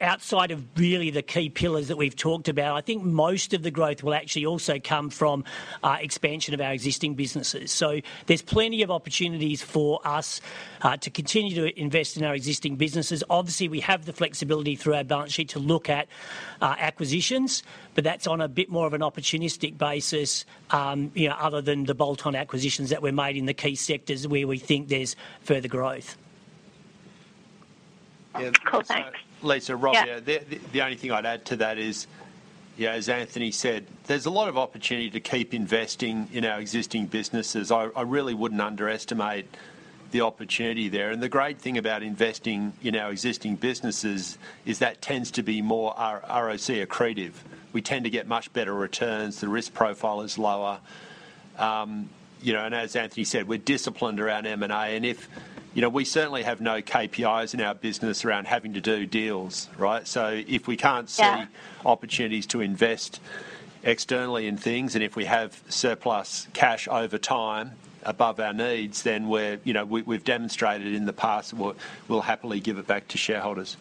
Outside of really the key pillars that we've talked about, I think most of the growth will actually also come from expansion of our existing businesses. There's plenty of opportunities for us to continue to invest in our existing businesses. Obviously, we have the flexibility through our balance sheet to look at acquisitions, but that's on a bit more of an opportunistic basis other than the bolt-on acquisitions that we're made in the key sectors where we think there's further growth. Lisa, Rob, yeah, the only thing I'd add to that is, as Anthony said, there's a lot of opportunity to keep investing in our existing businesses. I really wouldn't underestimate the opportunity there. And the great thing about investing in our existing businesses is that tends to be more ROC accretive. We tend to get much better returns. The risk profile is lower. And as Anthony said, we're disciplined around M&A. And we certainly have no KPIs in our business around having to do deals, right? So if we can't see opportunities to invest externally in things, and if we have surplus cash over time above our needs, then we've demonstrated in the past that we'll happily give it back to shareholders.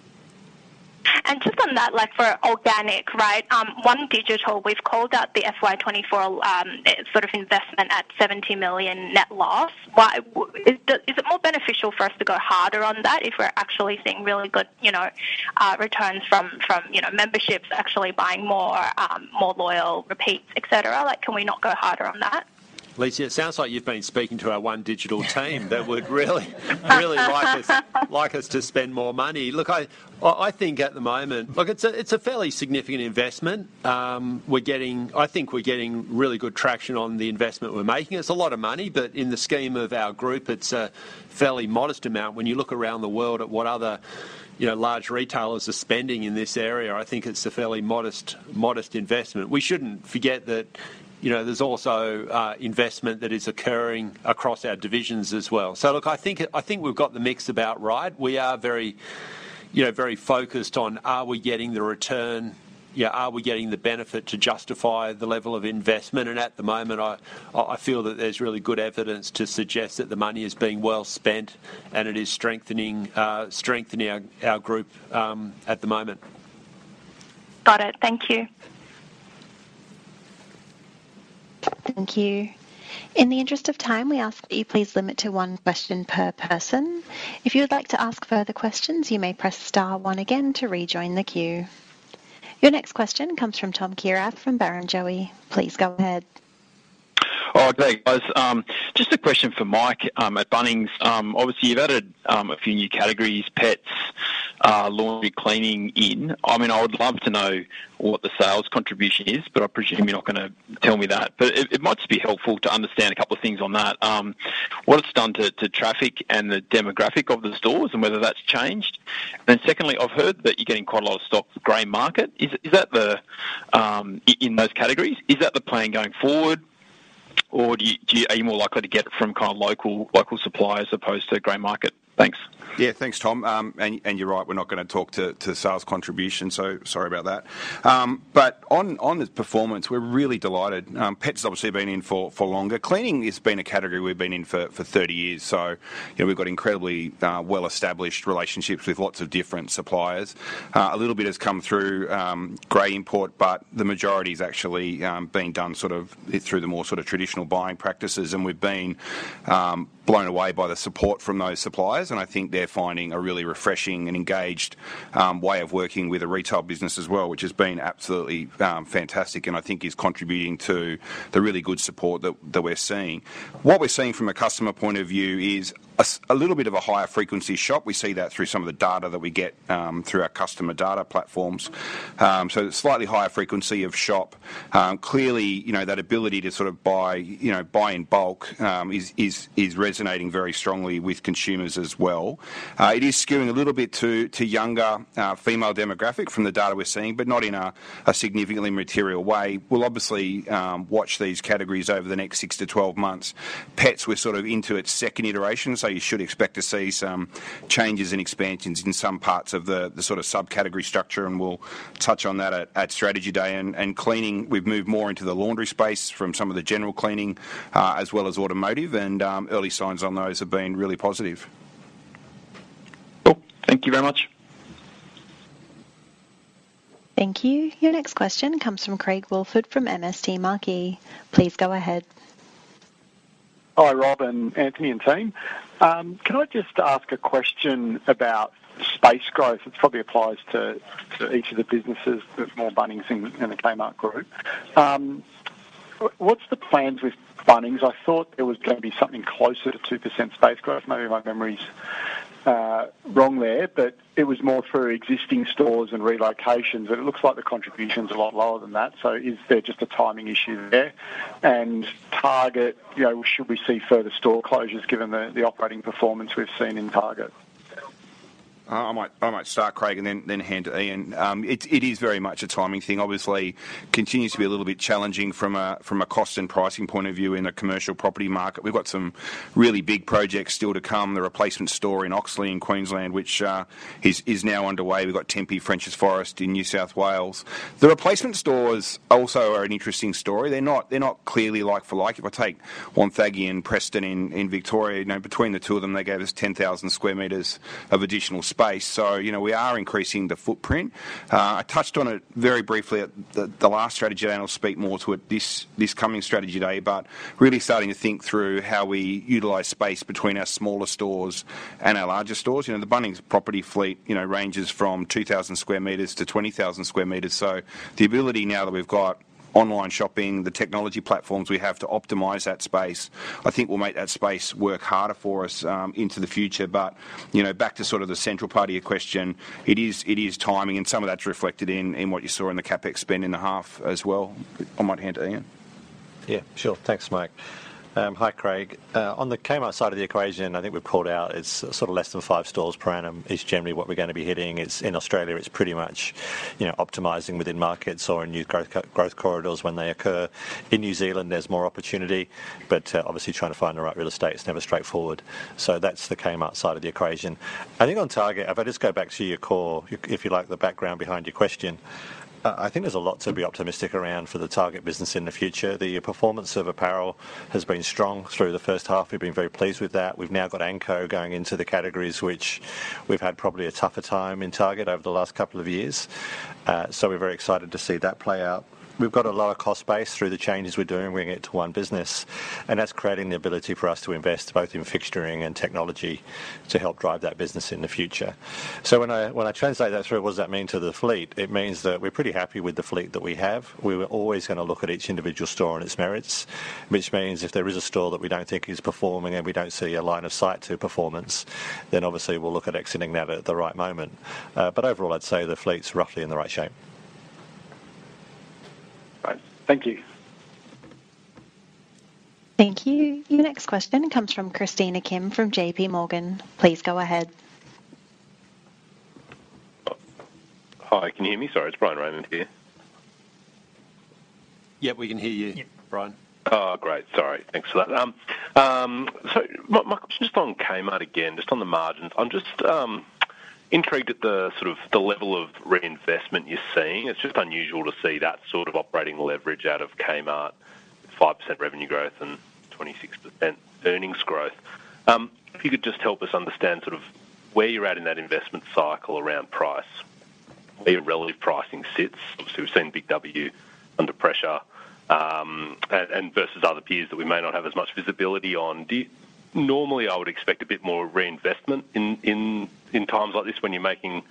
And just on that, for organic, right, OneDigital, we've called out the FY24 sort of investment at 70 million net loss. Is it more beneficial for us to go harder on that if we're actually seeing really good returns from memberships, actually buying more, more loyal repeats, etc.? Can we not go harder on that? Lisa, it sounds like you've been speaking to our OneDigital team that would really, really like us to spend more money. Look, I think at the moment look, it's a fairly significant investment. I think we're getting really good traction on the investment we're making. It's a lot of money, but in the scheme of our group, it's a fairly modest amount. When you look around the world at what other large retailers are spending in this area, I think it's a fairly modest investment. We shouldn't forget that there's also investment that is occurring across our divisions as well. So look, I think we've got the mix about right. We are very focused on, are we getting the return? Are we getting the benefit to justify the level of investment? And at the moment, I feel that there's really good evidence to suggest that the money is being well spent, and it is strengthening our group at the moment. Got it. Thank you. Thank you. In the interest of time, we ask that you please limit to one question per person. If you would like to ask further questions, you may press star one again to rejoin the queue. Your next question comes from Thomas Kierath from Barrenjoey Please go ahead. Oh, great, guys. Just a question for Mike at Bunnings. Obviously, you've added a few new categories, pets, laundry, cleaning. I mean, I would love to know what the sales contribution is, but I presume you're not going to tell me that. But it might just be helpful to understand a couple of things on that. What it's done to traffic and the demographic of the stores and whether that's changed. And then secondly, I've heard that you're getting quite a lot of stock for gray market. Is that in those categories? Is that the plan going forward, or are you more likely to get it from kind of local suppliers as opposed to gray market? Thanks. Yeah, thanks, Tom. And you're right. We're not going to talk to sales contribution, so sorry about that. But on the performance, we're really delighted. Pets has obviously been in for longer. Cleaning has been a category we've been in for 30 years. So we've got incredibly well-established relationships with lots of different suppliers. A little bit has come through gray import, but the majority has actually been done sort of through the more sort of traditional buying practices. And we've been blown away by the support from those suppliers. And I think they're finding a really refreshing and engaged way of working with a retail business as well, which has been absolutely fantastic and I think is contributing to the really good support that we're seeing. What we're seeing from a customer point of view is a little bit of a higher frequency shop. We see that through some of the data that we get through our customer data platforms. So slightly higher frequency of shop. Clearly, that ability to sort of buy in bulk is resonating very strongly with consumers as well. It is skewing a little bit to younger female demographic from the data we're seeing, but not in a significantly material way. We'll obviously watch these categories over the next 6-12 months. Pets, we're sort of into its second iteration, so you should expect to see some changes and expansions in some parts of the sort of subcategory structure. And we'll touch on that at strategy day. And cleaning, we've moved more into the laundry space from some of the general cleaning as well as automotive. And early signs on those have been really positive. Cool. Thank you very much. Thank you. Your next question comes from Craig Woolford from MST Marquee. Please go ahead. Hi, Rob and Anthony and team. Can I just ask a question about space growth? It probably applies to each of the businesses, but more Bunnings and the Kmart Group. What's the plans with Bunnings? I thought there was going to be something closer to 2% space growth. Maybe my memory's wrong there, but it was more through existing stores and relocations. But it looks like the contribution's a lot lower than that. So is there just a timing issue there? And Target, should we see further store closures given the operating performance we've seen in Target? I might start, Craig, and then hand to Ian. It is very much a timing thing. Obviously, it continues to be a little bit challenging from a cost and pricing point of view in the commercial property market. We've got some really big projects still to come, the replacement store in Oxley in Queensland, which is now underway. We've got Tempe Frenchs Forest in New South Wales. The replacement stores also are an interesting story. They're not clearly like-for-like. If I take Wonthaggi and Preston in Victoria, between the two of them, they gave us 10,000 square meters of additional space. We are increasing the footprint. I touched on it very briefly at the last strategy day. I'll speak more to it this coming strategy day. But really starting to think through how we utilize space between our smaller stores and our larger stores. The Bunnings property fleet ranges from 2,000 square meters to 20,000 square meters. So the ability now that we've got online shopping, the technology platforms we have to optimize that space, I think will make that space work harder for us into the future. But back to sort of the central part of your question, it is timing. And some of that's reflected in what you saw in the CapEx spend in the half as well. I might hand to Ian. Yeah, sure. Thanks, Mike. Hi, Craig. On the Kmart side of the equation, I think we've called out it's sort of less than 5 stores per annum is generally what we're going to be hitting. In Australia, it's pretty much optimizing within markets or in new growth corridors when they occur. In New Zealand, there's more opportunity. But obviously, trying to find the right real estate is never straightforward. So that's the Kmart side of the equation. I think on Target, if I just go back to your core, if you like the background behind your question, I think there's a lot to be optimistic around for the Target business in the future. The performance of apparel has been strong through the first half. We've been very pleased with that. We've now got Anko going into the categories, which we've had probably a tougher time in Target over the last couple of years. So we're very excited to see that play out. We've got a lower cost base through the changes we're doing. We're going to get to one business. And that's creating the ability for us to invest both in fixturing and technology to help drive that business in the future. So when I translate that through, what does that mean to the fleet? It means that we're pretty happy with the fleet that we have. We're always going to look at each individual store and its merits, which means if there is a store that we don't think is performing and we don't see a line of sight to performance, then obviously, we'll look at exiting that at the right moment. But overall, I'd say the fleet's roughly in the right shape. Thank you. Thank you. Your next question comes from Christina Kim from J.P. Morgan. Please go ahead. Hi. Can you hear me? Sorry, it's Bryan Raymond here. Yep, we can hear you, Oh, great. Sorry. Thanks for that. So my question's just on Kmart again, just on the margins. I'm just intrigued at the sort of level of reinvestment you're seeing. It's just unusual to see that sort of operating leverage out of Kmart, 5% revenue growth and 26% earnings growth. If you could just help us understand sort of where you're at in that investment cycle around price, where your relative pricing sits. Obviously, we've seen Big W under pressure versus other peers that we may not have as much visibility on. Normally, I would expect a bit more reinvestment in times like this when you're making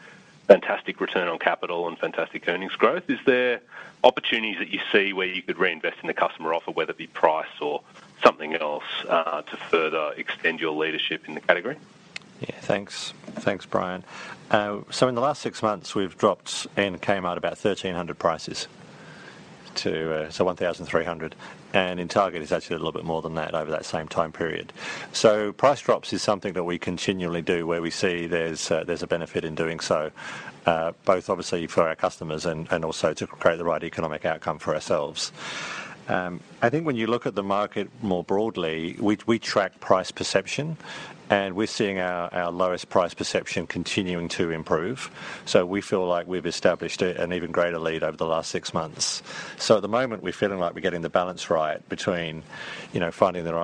fantastic return on capital and fantastic earnings growth. Is there opportunities that you see where you could reinvest in a customer offer, whether it be price or something else, to further extend your leadership in the category? Yeah, thanks. Thanks, Brian. So in the last six months, we've dropped in Kmart about 1,300 prices to 1,300. And in Target, it's actually a little bit more than that over that same time period. So price drops is something that we continually do where we see there's a benefit in doing so, both obviously for our customers and also to create the right economic outcome for ourselves. I think when you look at the market more broadly, we track price perception, and we're seeing our lowest price perception continuing to improve. So we feel like we've established an even greater lead over the last six months. So at the moment, we're feeling like we're getting the balance right between finding the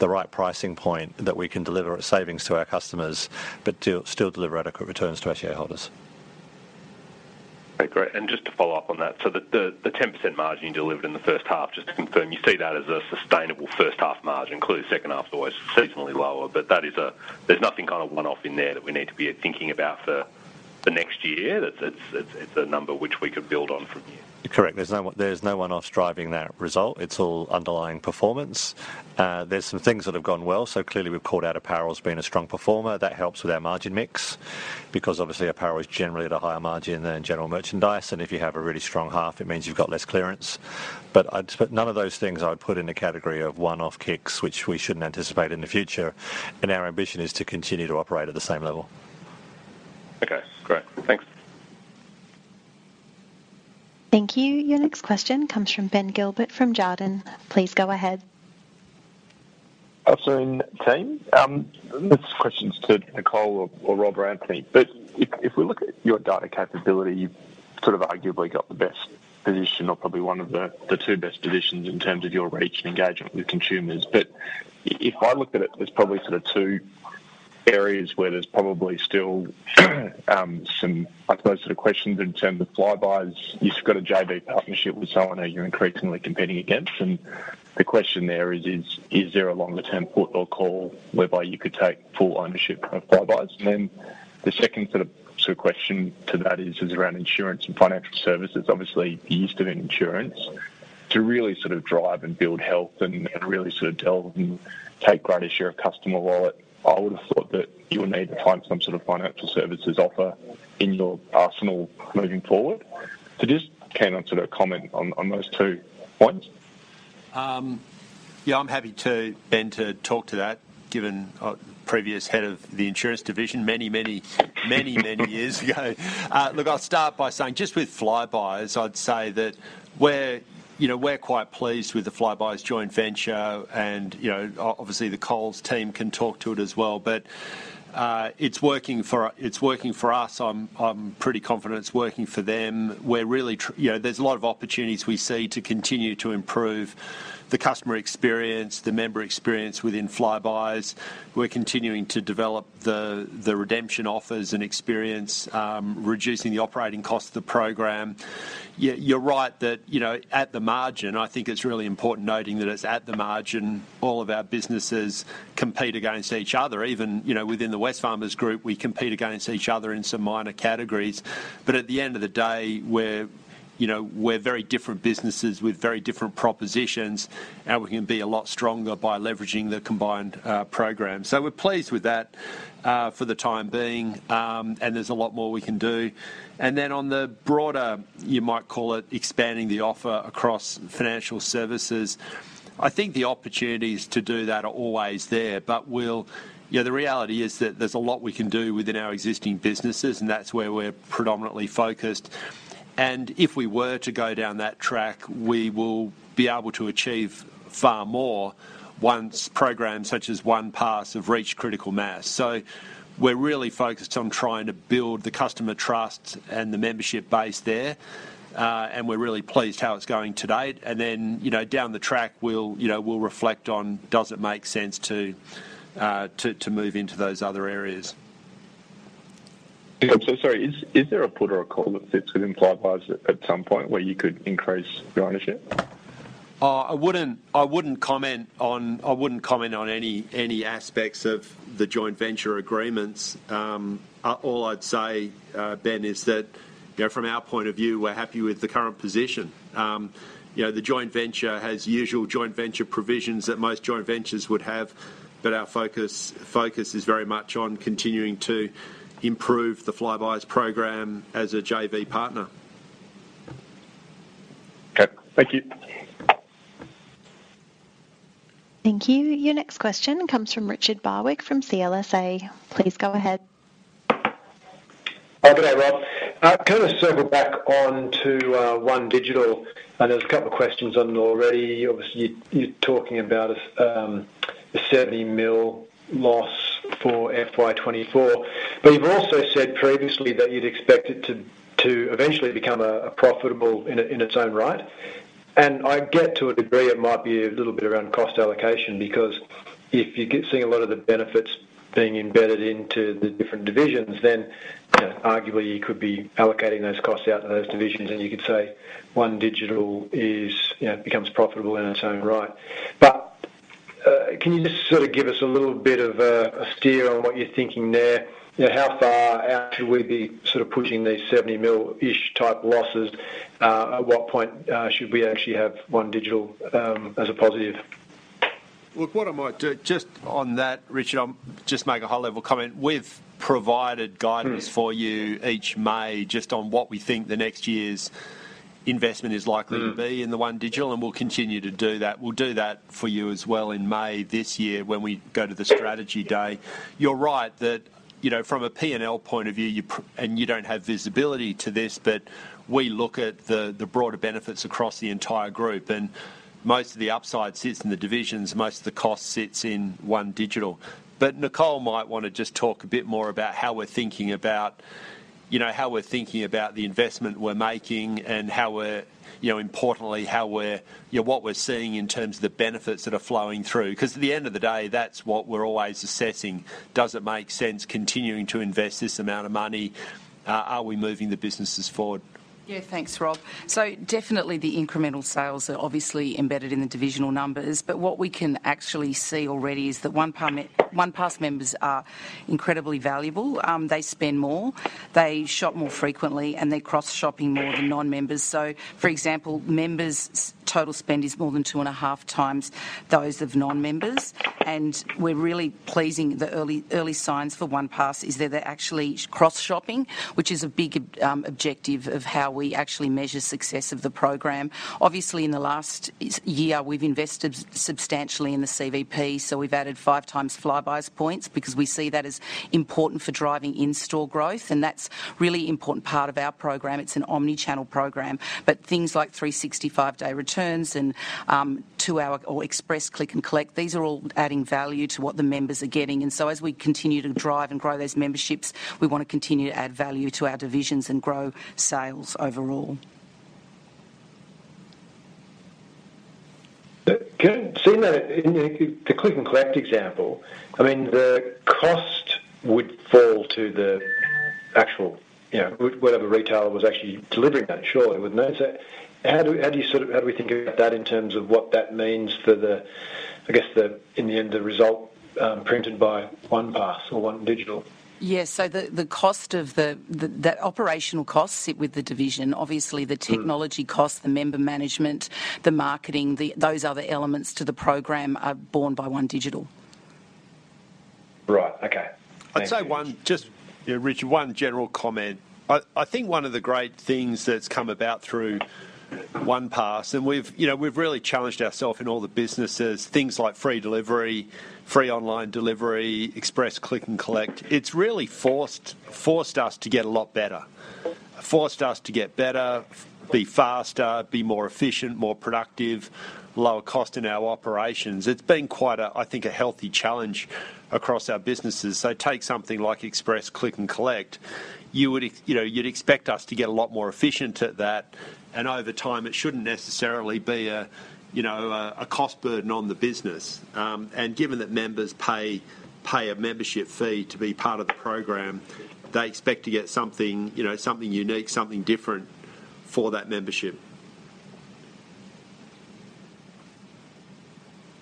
right pricing point that we can deliver savings to our customers but still deliver adequate returns to our shareholders. Okay, great. And just to follow up on that, so the 10% margin you delivered in the first half, just to confirm, you see that as a sustainable first-half margin, including second-half, always seasonally lower. But there's nothing kind of one-off in there that we need to be thinking about for the next year. It's a number which we could build on from here. Correct. There's no one-offs driving that result. It's all underlying performance. There's some things that have gone well. So clearly, we've called out apparel as being a strong performer. That helps with our margin mix because obviously, apparel is generally at a higher margin than general merchandise. And if you have a really strong half, it means you've got less clearance. But none of those things I would put in the category of one-off kicks, which we shouldn't anticipate in the future. And our ambition is to continue to operate at the same level. Okay, great. Thanks. Thank you. Your next question comes from Ben Gilbert from Jarden. Please go ahead. So in team, this question's to Nicole or Rob Anthony. But if we look at your data capability, you've sort of arguably got the best position or probably one of the two best positions in terms of your reach and engagement with consumers. But if I looked at it, there's probably sort of two areas where there's probably still some, I suppose, sort of questions in terms of Flybuys. You've got a JV partnership with someone who you're increasingly competing against. And the question there is, is there a longer-term put or call whereby you could take full ownership of Flybuys? And then the second sort of question to that is around insurance and financial services. Obviously, you used to have insurance. To really sort of drive and build health and really sort of delve and take greater share of customer wallet, I would have thought that you would need to find some sort of financial services offer in your arsenal moving forward. So just came on sort of a comment on those two points. Yeah, I'm happy to, Ben, to talk to that given previous head of the insurance division many, many, many, many years ago. Look, I'll start by saying just with Flybuys, I'd say that we're quite pleased with the Flybuys joint venture. Obviously, the Coles team can talk to it as well. But it's working for us. I'm pretty confident it's working for them. There's a lot of opportunities we see to continue to improve the customer experience, the member experience within Flybuys. We're continuing to develop the redemption offers and experience, reducing the operating cost of the program. You're right that at the margin, I think it's really important noting that it's at the margin all of our businesses compete against each other. Even within the Wesfarmers Group, we compete against each other in some minor categories. But at the end of the day, we're very different businesses with very different propositions. And we can be a lot stronger by leveraging the combined program. So we're pleased with that for the time being. And there's a lot more we can do. And then on the broader, you might call it expanding the offer across financial services, I think the opportunities to do that are always there. But the reality is that there's a lot we can do within our existing businesses. And that's where we're predominantly focused. If we were to go down that track, we will be able to achieve far more once programs such as OnePass have reached critical mass. So we're really focused on trying to build the customer trust and the membership base there. And we're really pleased how it's going to date. And then down the track, we'll reflect on, does it make sense to move into those other areas? I'm so sorry. Is there a put or a call that fits within Flybuys at some point where you could increase your ownership? I wouldn't comment on any aspects of the joint venture agreements. All I'd say, Ben, is that from our point of view, we're happy with the current position. The joint venture has usual joint venture provisions that most joint ventures would have. But our focus is very much on continuing to improve the Flybuys program as a JV partner. Okay. Thank you. Thank you. Your next question comes from Richard Barwick from CLSA. Please go ahead. Good day, Rob. Kind of circle back onto OneDigital. And there's a couple of questions on it already. Obviously, you're talking about an 70 million loss for FY24. But you've also said previously that you'd expect it to eventually become profitable in its own right. And I get to a degree it might be a little bit around cost allocation because if you're seeing a lot of the benefits being embedded into the different divisions, then arguably, you could be allocating those costs out to those divisions. And you could say OneDigital becomes profitable in its own right. But can you just sort of give us a little bit of a steer on what you're thinking there? How far out should we be sort of pushing these 70 million-ish type losses? At what point should we actually have OneDigital as a positive? Look, what I might do just on that, Richard, I'll just make a high-level comment. We've provided guidance for you each May just on what we think the next year's investment is likely to be in the OneDigital. And we'll continue to do that. We'll do that for you as well in May this year when we go to the strategy day. You're right that from a P&L point of view, and you don't have visibility to this, but we look at the broader benefits across the entire group. And most of the upside sits in the divisions. Most of the cost sits in OneDigital. But Nicole might want to just talk a bit more about how we're thinking about how we're thinking about the investment we're making and, importantly, what we're seeing in terms of the benefits that are flowing through. Because at the end of the day, that's what we're always assessing. Does it make sense continuing to invest this amount of money? Are we moving the businesses forward? Yeah, thanks, Rob. So definitely, the incremental sales are obviously embedded in the divisional numbers. But what we can actually see already is that OnePass members are incredibly valuable. They spend more. They shop more frequently. And they're cross-shopping more than non-members. So for example, members' total spend is more than two and a half times those of non-members. And we're really pleasing the early signs for OnePass. Is there actually cross-shopping, which is a big objective of how we actually measure success of the program? Obviously, in the last year, we've invested substantially in the CVP. We've added 5x Flybuys points because we see that as important for driving in-store growth. That's a really important part of our program. It's an omnichannel program. Things like 365-day returns and 2-hour or express click-and-collect, these are all adding value to what the members are getting. As we continue to drive and grow those memberships, we want to continue to add value to our divisions and grow sales overall. See, the click-and-collect example, I mean, the cost would fall to the actual whatever retailer was actually delivering that. Surely, wouldn't it? So how do we think about that in terms of what that means for, I guess, in the end, the result printed by OnePass or OneDigital? Yes. So the cost of that operational costs sit with the division. Obviously, the technology cost, the member management, the marketing, those other elements to the program are borne by OneDigital. Right. Okay. Thank you. I'd say just, Richard, one general comment. I think one of the great things that's come about through OnePass and we've really challenged ourselves in all the businesses, things like free delivery, free online delivery, express click-and-collect, it's really forced us to get a lot better, forced us to get better, be faster, be more efficient, more productive, lower cost in our operations. It's been quite a, I think, a healthy challenge across our businesses. So take something like express click-and-collect. You'd expect us to get a lot more efficient at that. Over time, it shouldn't necessarily be a cost burden on the business. Given that members pay a membership fee to be part of the program, they expect to get something unique, something different for that membership.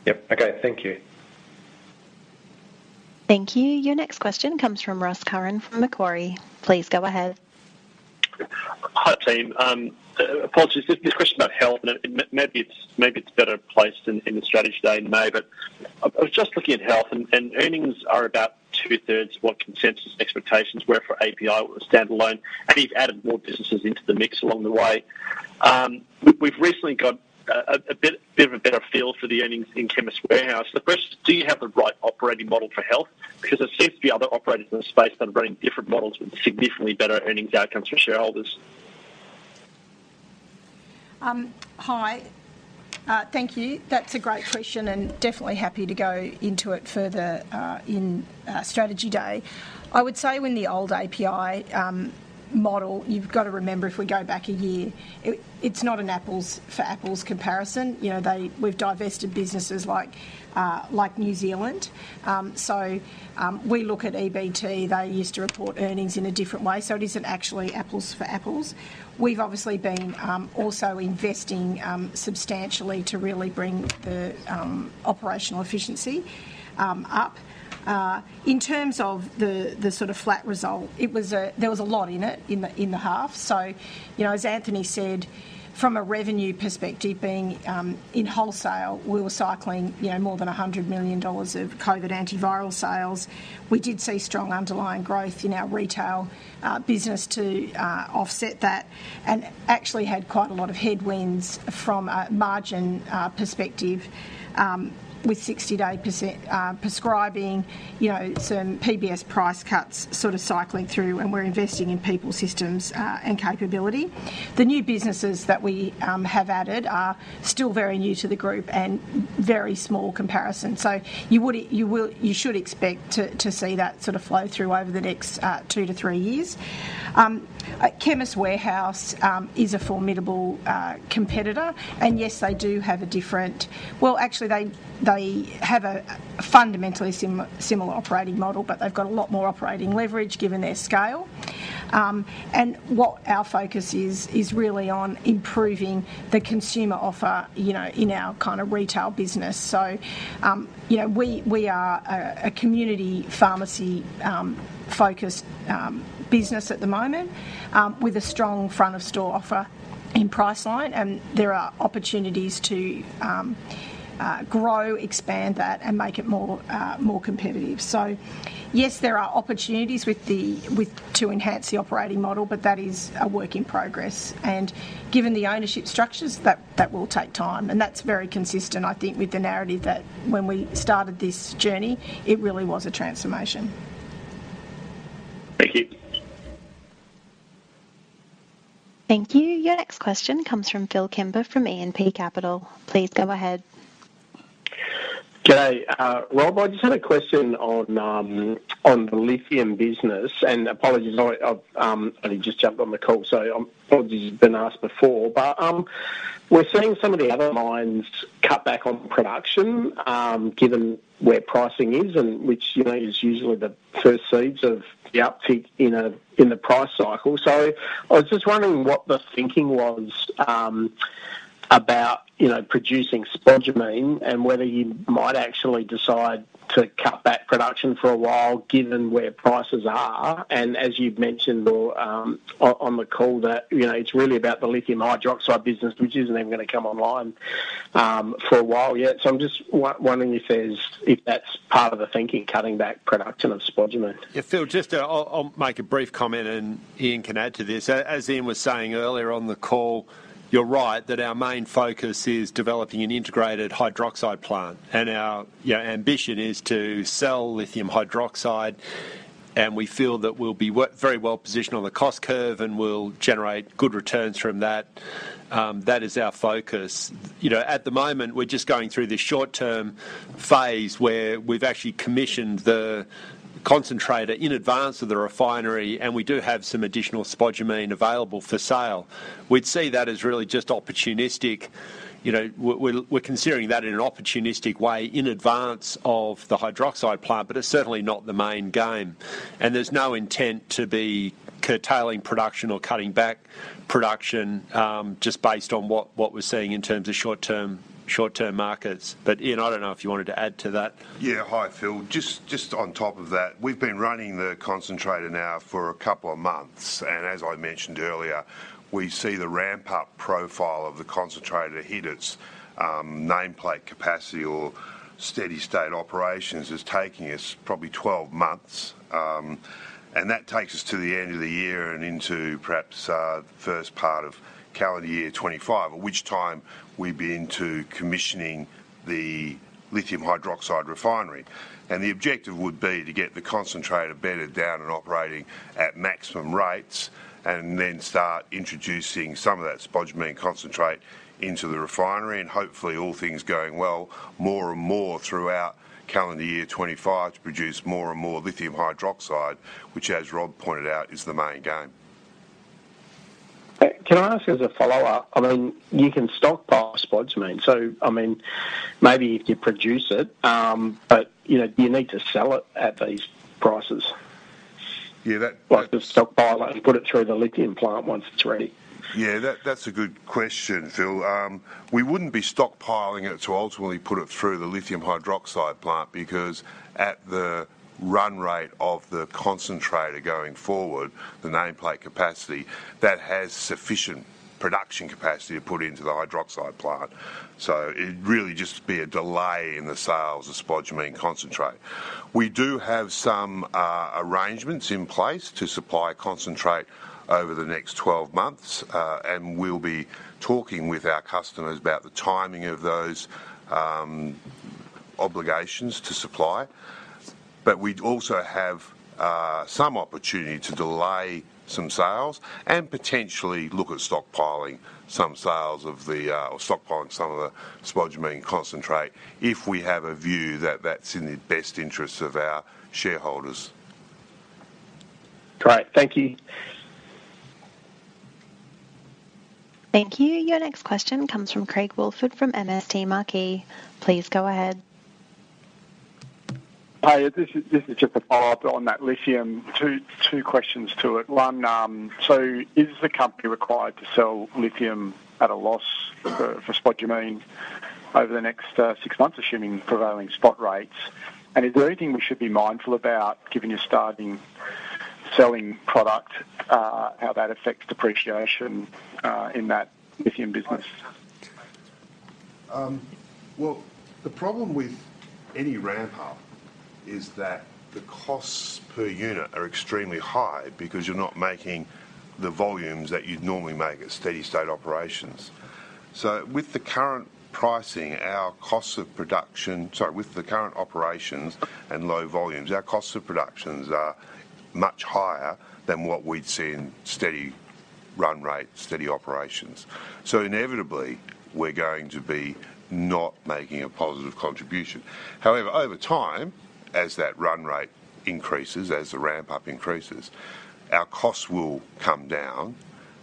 Yep. Okay. Thank you. Thank you. Your next question comes from Ross Curran from Macquarie. Please go ahead. Hi, team. Apologies, this question's about health. Maybe it's better placed in the strategy day in May. But I was just looking at health. Earnings are about two-thirds of what consensus expectations were for API standalone. We've added more businesses into the mix along the way. We've recently got a bit of a better feel for the earnings in Chemist Warehouse. The question is, do you have the right operating model for health? Because there seems to be other operators in the space that are running different models with significantly better earnings outcomes for shareholders. Hi. Thank you. That's a great question. And definitely happy to go into it further in strategy day. I would say when the old API model, you've got to remember if we go back a year, it's not an apples-for-apples comparison. We've divested businesses like New Zealand. So we look at EBT. They used to report earnings in a different way. So it isn't actually apples-for-apples. We've obviously been also investing substantially to really bring the operational efficiency up. In terms of the sort of flat result, there was a lot in it in the half. So as Anthony said, from a revenue perspective, being in wholesale, we were cycling more than 100 million dollars of COVID antiviral sales. We did see strong underlying growth in our retail business to offset that and actually had quite a lot of headwinds from a margin perspective with 60-day dispensing, some PBS price cuts sort of cycling through. We're investing in people's systems and capability. The new businesses that we have added are still very new to the group and very small comparison. So you should expect to see that sort of flow through over the next 2-3 years. Chemist Warehouse is a formidable competitor. Yes, they do have a different well, actually, they have a fundamentally similar operating model. But they've got a lot more operating leverage given their scale. What our focus is, is really on improving the consumer offer in our kind of retail business. So we are a community pharmacy-focused business at the moment with a strong front-of-store offer in Priceline. There are opportunities to grow, expand that, and make it more competitive. So yes, there are opportunities to enhance the operating model. But that is a work in progress. And given the ownership structures, that will take time. And that's very consistent, I think, with the narrative that when we started this journey, it really was a transformation. Thank you. Your next question comes from Phillip Kimber from E&P Capital. Please go ahead. Good day. Rob, I just had a question on the lithium business. And apologies, I've only just jumped on the call. So apologies if it's been asked before. But we're seeing some of the other mines cut back on production given where pricing is, which is usually the first seeds of the uptick in the price cycle. So I was just wondering what the thinking was about producing spodumene and whether you might actually decide to cut back production for a while given where prices are. And as you've mentioned on the call, it's really about the lithium hydroxide business, which isn't even going to come online for a while yet. So I'm just wondering if that's part of the thinking, cutting back production of spodumene. Yeah, Phil. Just I'll make a brief comment. And Ian can add to this. As Ian was saying earlier on the call, you're right that our main focus is developing an integrated hydroxide plant. And our ambition is to sell lithium hydroxide. And we feel that we'll be very well positioned on the cost curve. And we'll generate good returns from that. That is our focus. At the moment, we're just going through this short-term phase where we've actually commissioned the concentrator in advance of the refinery. We do have some additional spodumene available for sale. We'd see that as really just opportunistic. We're considering that in an opportunistic way in advance of the hydroxide plant. It's certainly not the main game. There's no intent to be curtailing production or cutting back production just based on what we're seeing in terms of short-term markets. Ian, I don't know if you wanted to add to that. Yeah. Hi, Phil. Just on top of that, we've been running the concentrator now for a couple of months. As I mentioned earlier, we see the ramp-up profile of the concentrator to hit its nameplate capacity or steady-state operations is taking us probably 12 months. That takes us to the end of the year and into perhaps the first part of calendar year 2025, at which time we'd be into commissioning the lithium hydroxide refinery. The objective would be to get the concentrator better down and operating at maximum rates and then start introducing some of that spodumene concentrate into the refinery. Hopefully, all things going well, more and more throughout calendar year 2025 to produce more and more lithium hydroxide, which, as Rob pointed out, is the main game. Can I ask as a follow-up? I mean, you can stockpile spodumene. So I mean, maybe if you produce it. But do you need to sell it at these prices? Like the stockpile it and put it through the lithium plant once it's ready? Yeah. That's a good question, Phil. We wouldn't be stockpiling it to ultimately put it through the lithium hydroxide plant because at the run rate of the concentrator going forward, the nameplate capacity, that has sufficient production capacity to put into the hydroxide plant. So it'd really just be a delay in the sales of spodumene concentrate. We do have some arrangements in place to supply concentrate over the next 12 months. And we'll be talking with our customers about the timing of those obligations to supply. But we'd also have some opportunity to delay some sales and potentially look at stockpiling some sales or stockpiling some of the spodumene concentrate if we have a view that that's in the best interests of our shareholders. Great. Thank you. Thank you. Your next question comes from Craig Woolford from MST Marquee. Please go ahead. Hi. This is just a follow-up on that lithium. Two questions to it. One, so is the company required to sell lithium at a loss for spodumene over the next six months, assuming prevailing spot rates? And is there anything we should be mindful about given you're starting selling product, how that affects depreciation in that lithium business? Well, the problem with any ramp-up is that the costs per unit are extremely high because you're not making the volumes that you'd normally make at steady-state operations. So with the current pricing, our costs of production, sorry, with the current operations and low volumes, our costs of productions are much higher than what we'd see in steady run rate, steady operations. So inevitably, we're going to be not making a positive contribution. However, over time, as that run rate increases, as the ramp-up increases, our costs will come down.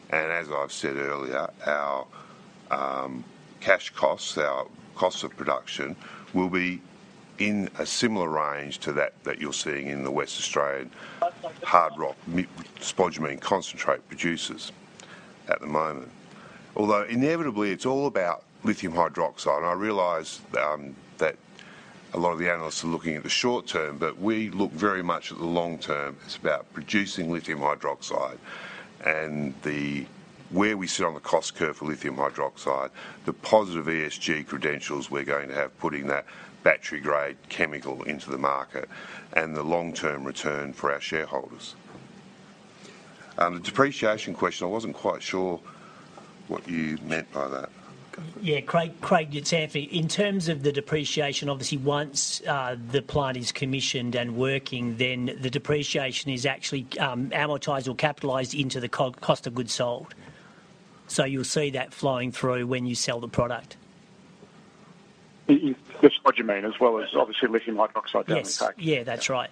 And as I've said earlier, our cash costs, our costs of production, will be in a similar range to that that you're seeing in the Western Australian hard rock spodumene concentrate producers at the moment. Although inevitably, it's all about lithium hydroxide. And I realize that a lot of the analysts are looking at the short term. But we look very much at the long term. It's about producing lithium hydroxide. And where we sit on the cost curve for lithium hydroxide, the positive ESG credentials we're going to have putting that battery-grade chemical into the market and the long-term return for our shareholders. The depreciation question, I wasn't quite sure what you meant by that. Yeah. Craig, it's Anthony. In terms of the depreciation, obviously, once the plant is commissioned and working, then the depreciation is actually amortized or capitalized into the cost of goods sold. So you'll see that flowing through when you sell the product. The spodumene as well as obviously lithium hydroxide down the pack. Yes. Yeah. That's right.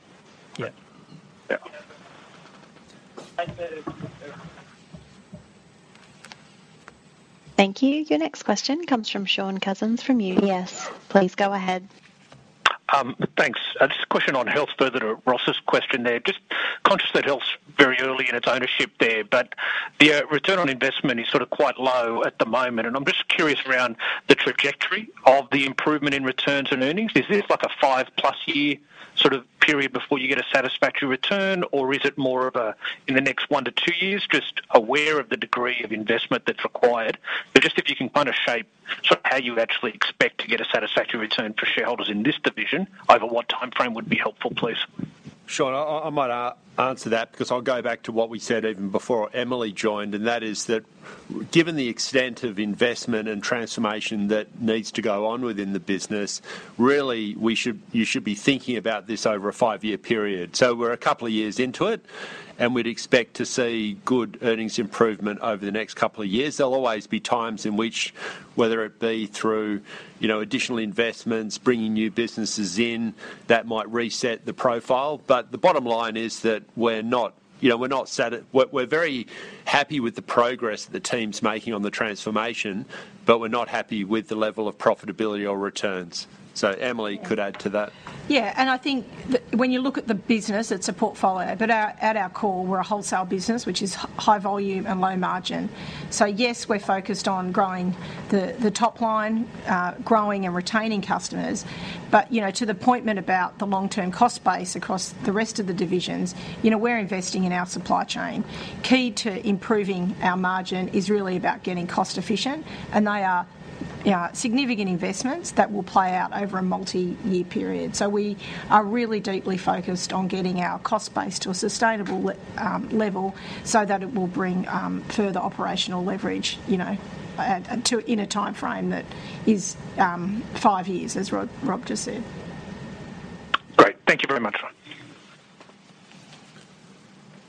Yep. Yeah. Thank you. Your next question comes from Shaun Cousins from UBS. Please go ahead. Thanks. Just a question on health further to Ross's question there. Just conscious that health's very early in its ownership there. But the return on investment is sort of quite low at the moment. And I'm just curious around the trajectory of the improvement in returns and earnings. Is this like a 5+ year sort of period before you get a satisfactory return? Or is it more of a, in the next 1-2 years, just aware of the degree of investment that's required? But just if you can kind of shape sort of how you actually expect to get a satisfactory return for shareholders in this division, over what timeframe would be helpful, please? Sean, I might answer that because I'll go back to what we said even before Emily joined. And that is that given the extent of investment and transformation that needs to go on within the business, really, you should be thinking about this over a five-year period. So we're a couple of years into it. And we'd expect to see good earnings improvement over the next couple of years. There'll always be times in which, whether it be through additional investments, bringing new businesses in that might reset the profile. But the bottom line is that we're not we're very happy with the progress that the team's making on the transformation. But we're not happy with the level of profitability or returns. So Emily could add to that. Yeah. And I think when you look at the business, it's a portfolio. But at our core, we're a wholesale business, which is high volume and low margin. So yes, we're focused on growing the top line, growing and retaining customers. But to the point about the long-term cost base across the rest of the divisions, we're investing in our supply chain. Key to improving our margin is really about getting cost-efficient. And they are significant investments that will play out over a multi-year period. So we are really deeply focused on getting our cost base to a sustainable level so that it will bring further operational leverage in a timeframe that is five years, as Rob just said. Great. Thank you very much.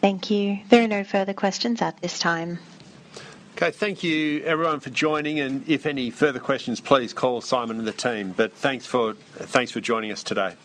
Thank you. There are no further questions at this time. Okay. Thank you, everyone, for joining. If any further questions, please call Simon and the team. Thanks for joining us today.